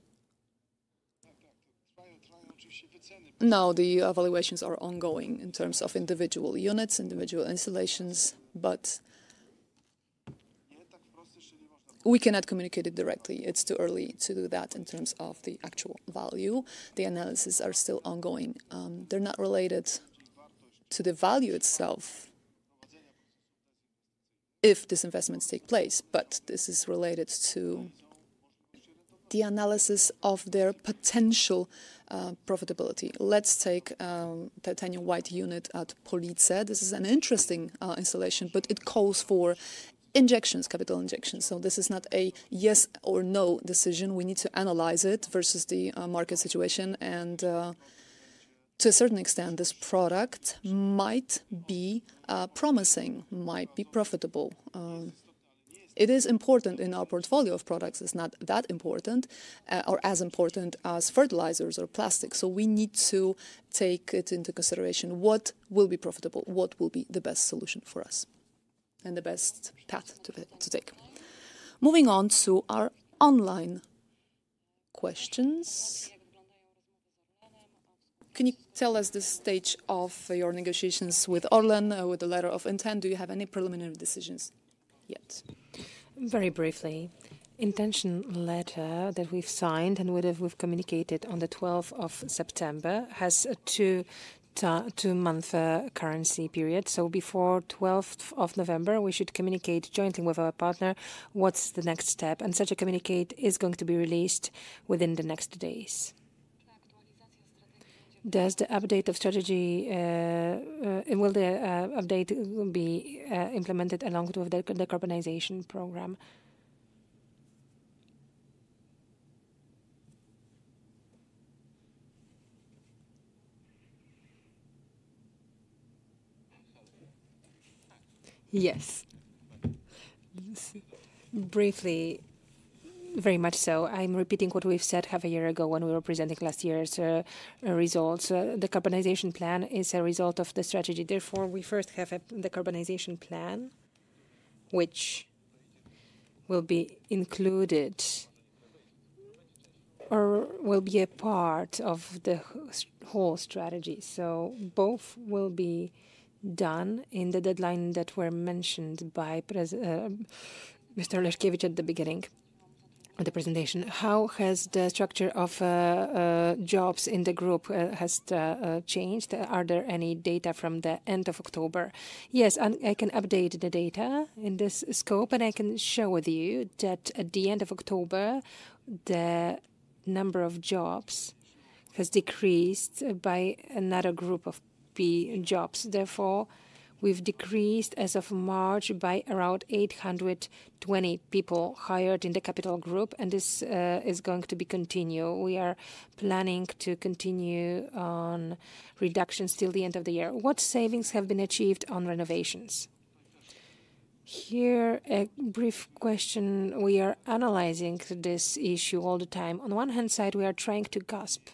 No, the evaluations are ongoing in terms of individual units, individual installations, but we cannot communicate it directly. It's too early to do that in terms of the actual value. The analyses are still ongoing. They're not related to the value itself if these investments take place, but this is related to the analysis of their potential profitability. Let's take titanium white unit at Police. This is an interesting installation, but it calls for injections, capital injections. This is not a yes or no decision. We need to analyze it versus the market situation. To a certain extent, this product might be promising, might be profitable. It is important in our portfolio of products. It's not that important or as important as fertilizers or plastics. We need to take it into consideration. What will be profitable? What will be the best solution for us and the best path to take? Moving on to our online questions. Can you tell us the stage of your negotiations with Orlen with the letter of intent? Do you have any preliminary decisions yet? Very briefly, the letter of intent that we've signed and with which we've communicated on the 12th of September has a two-month currency period. Before 12th of November, we should communicate jointly with our partner what's the next step. Such a communiqué is going to be released within the next days. Does the update of strategy, will the update be implemented along with the decarbonization program? Yes. Briefly, very much so. I'm repeating what we've said half a year ago when we were presenting last year's results. The decarbonization plan is a result of the strategy. Therefore, we first have the decarbonization plan, which will be included or will be a part of the whole strategy. So both will be done in the deadline that were mentioned by Mr. Leszkiewicz at the beginning of the presentation. How has the structure of jobs in the group changed? Are there any data from the end of October? Yes, I can update the data in this scope, and I can show with you that at the end of October, the number of jobs has decreased by another group of jobs. Therefore, we've decreased as of March by around 820 people hired in the capital group, and this is going to be continued. We are planning to continue on reductions till the end of the year. What savings have been achieved on renovations? Here, a brief question. We are analyzing this issue all the time. On one hand side, we are trying to grasp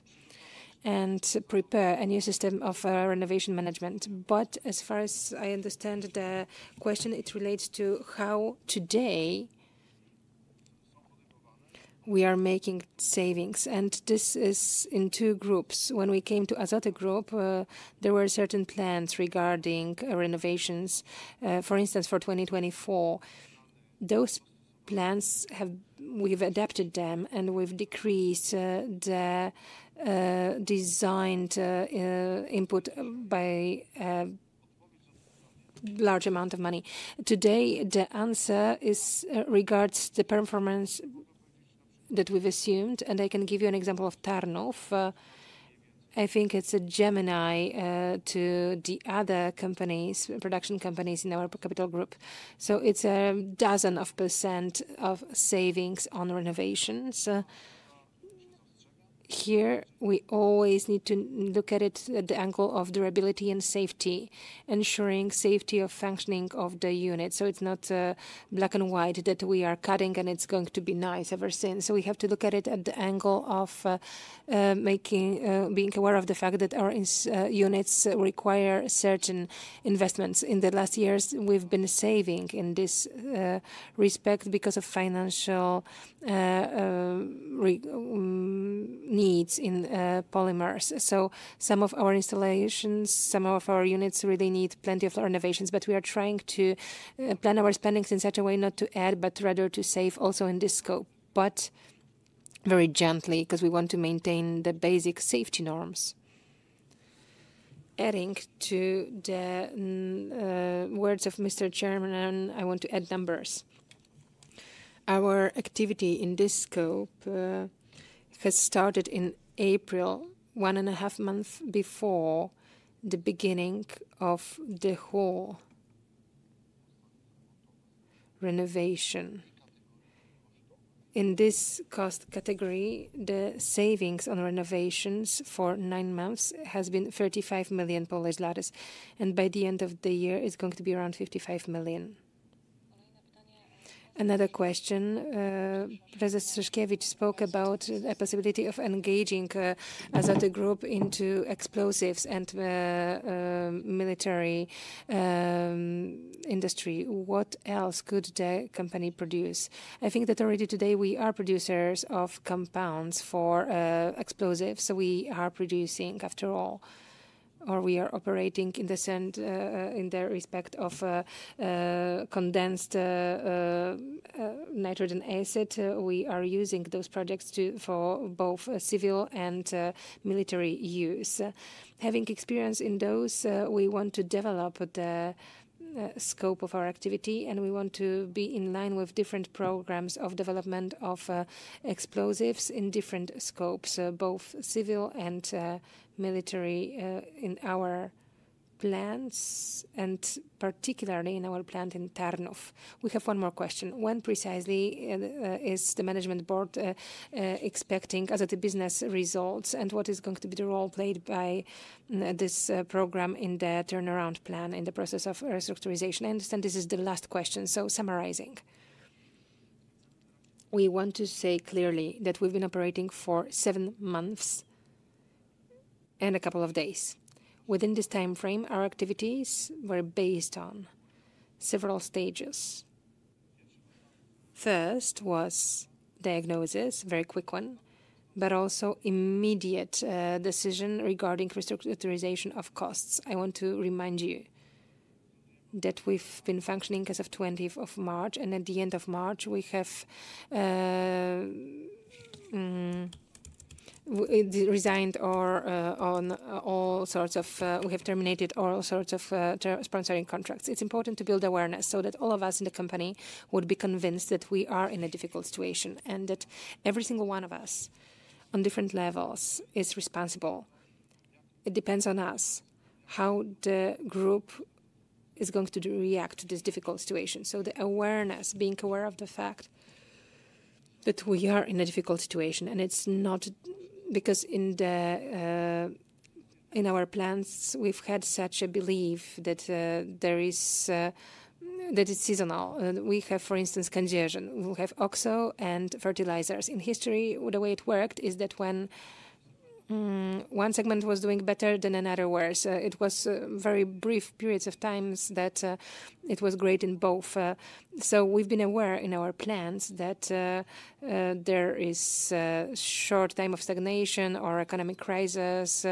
and prepare a new system of renovation management. But as far as I understand the question, it relates to how today we are making savings. And this is in two groups. When we came to Grupa Azoty, there were certain plans regarding renovations. For instance, for 2024, those plans have—we've adapted them, and we've decreased the designed input by a large amount of money. Today, the answer regards the performance that we've assumed, and I can give you an example of Tarnów. I think it's common to the other production companies in our capital group. So it's 12% of savings on renovations. Here, we always need to look at it at the angle of durability and safety, ensuring safety of functioning of the unit. So it's not black and white that we are cutting and it's going to be nice ever since. So we have to look at it at the angle of being aware of the fact that our units require certain investments. In the last years, we've been saving in this respect because of financial needs in polymers. So some of our installations, some of our units really need plenty of renovations, but we are trying to plan our spendings in such a way not to add, but rather to save also in this scope, but very gently because we want to maintain the basic safety norms. Adding to the words of Mr. Chairman, I want to add numbers. Our activity in this scope has started in April, one and a half months before the beginning of the whole renovation. In this cost category, the savings on renovations for nine months has been 35 million, and by the end of the year, it's going to be around 55 million. Another question. Professor Michał Siewierski spoke about the possibility of engaging Azoty Group into explosives and military industry. What else could the company produce? I think that already today we are producers of compounds for explosives. We are producing, after all, or we are operating with respect to concentrated nitric acid. We are using those projects for both civil and military use. Having experience in those, we want to develop the scope of our activity, and we want to be in line with different programs of development of explosives in different scopes, both civil and military in our plans, and particularly in our plant in Tarnów. We have one more question. When precisely is the management board expecting Azoty Business Program results, and what is going to be the role played by this program in the turnaround plan in the process of restructuring? I understand this is the last question. So summarizing. We want to say clearly that we've been operating for seven months and a couple of days. Within this time frame, our activities were based on several stages. First was diagnosis, a very quick one, but also immediate decision regarding restructuring of costs. I want to remind you that we've been functioning as of 20th of March, and at the end of March, we have terminated all sorts of sponsoring contracts. It's important to build awareness so that all of us in the company would be convinced that we are in a difficult situation and that every single one of us on different levels is responsible. It depends on us how the group is going to react to this difficult situation. So the awareness, being aware of the fact that we are in a difficult situation, and it's not because in our plans, we've had such a belief that it's seasonal. We have, for instance, congestion. We have oxo and fertilizers. In history, the way it worked is that when one segment was doing better than another worse, it was very brief periods of time that it was great in both. So we've been aware in our plans that there is a short time of stagnation or economic crisis.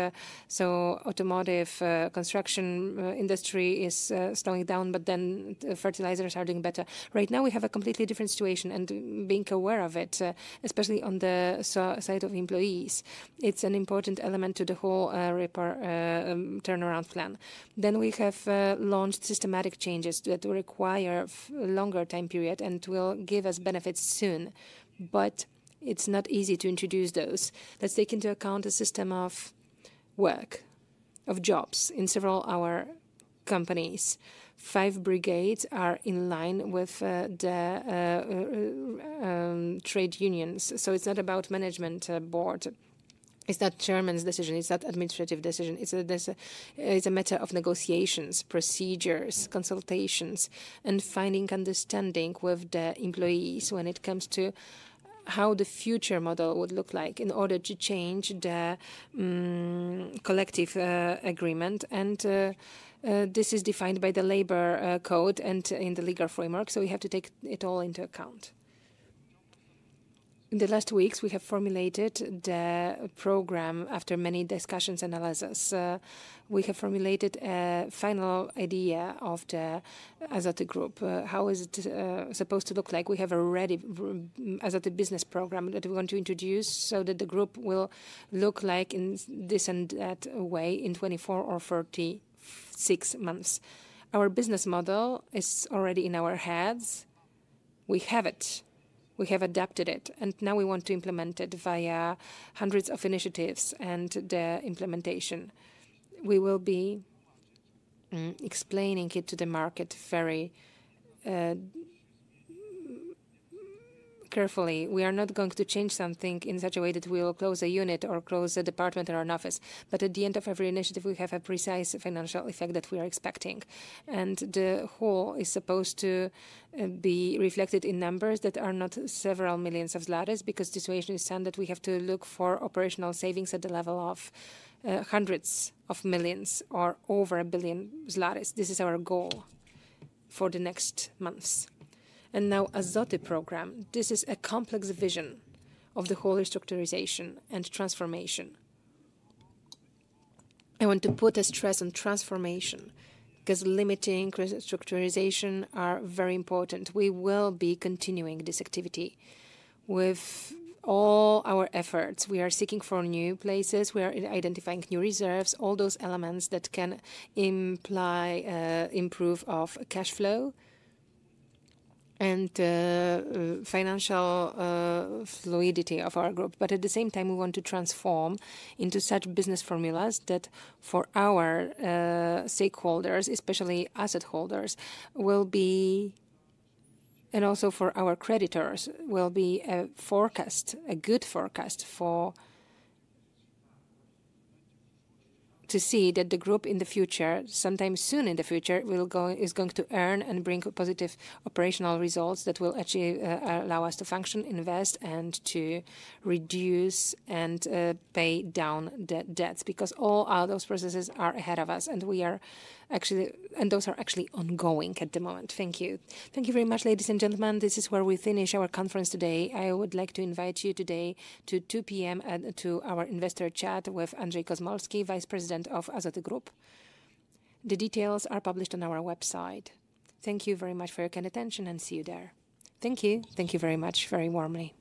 So automotive construction industry is slowing down, but then fertilizers are doing better. Right now, we have a completely different situation and being aware of it, especially on the side of employees. It's an important element to the whole turnaround plan. Then we have launched systematic changes that require a longer time period and will give us benefits soon, but it's not easy to introduce those. Let's take into account a system of work, of jobs in several of our companies. Five brigades are in line with the trade unions. So it's not about the management board. It's not chairman's decision. It's not an administrative decision. It's a matter of negotiations, procedures, consultations, and finding understanding with the employees when it comes to how the future model would look like in order to change the collective agreement, and this is defined by the labor code and in the legal framework, so we have to take it all into account. In the last weeks, we have formulated the program after many discussions and analysis. We have formulated a final idea of the Azoty Group. How is it supposed to look like? We have already an Azoty Business Program that we want to introduce so that the group will look like in this and that way in 24 or 36 months. Our business model is already in our hands. We have it. We have adapted it, and now we want to implement it via hundreds of initiatives and the implementation. We will be explaining it to the market very carefully. We are not going to change something in such a way that we will close a unit or close a department or an office. But at the end of every initiative, we have a precise financial effect that we are expecting. And the whole is supposed to be reflected in numbers that are not several millions of złotych because the situation is such that we have to look for operational savings at the level of hundreds of millions or over a billion złotych. This is our goal for the next months. And now Azoty Program, this is a complex vision of the whole restructurization and transformation. I want to put a stress on transformation because limiting restructurization are very important. We will be continuing this activity with all our efforts. We are seeking for new places. We are identifying new reserves, all those elements that can improve cash flow and financial fluidity of our group, but at the same time, we want to transform into such business formulas that for our stakeholders, especially asset holders, will be, and also for our creditors, will be a forecast, a good forecast to see that the group in the future, sometime soon in the future, is going to earn and bring positive operational results that will actually allow us to function, invest, and to reduce and pay down debts because all those processes are ahead of us, and we are actually, and those are actually ongoing at the moment. Thank you. Thank you very much, ladies and gentlemen. This is where we finish our conference today. I would like to invite you today to 2:00 P.M. to our investor chat with Andrzej Skolmowski, Vice President of Grupa Azoty. The details are published on our website. Thank you very much for your kind attention, and see you there. Thank you. Thank you very much, very warmly.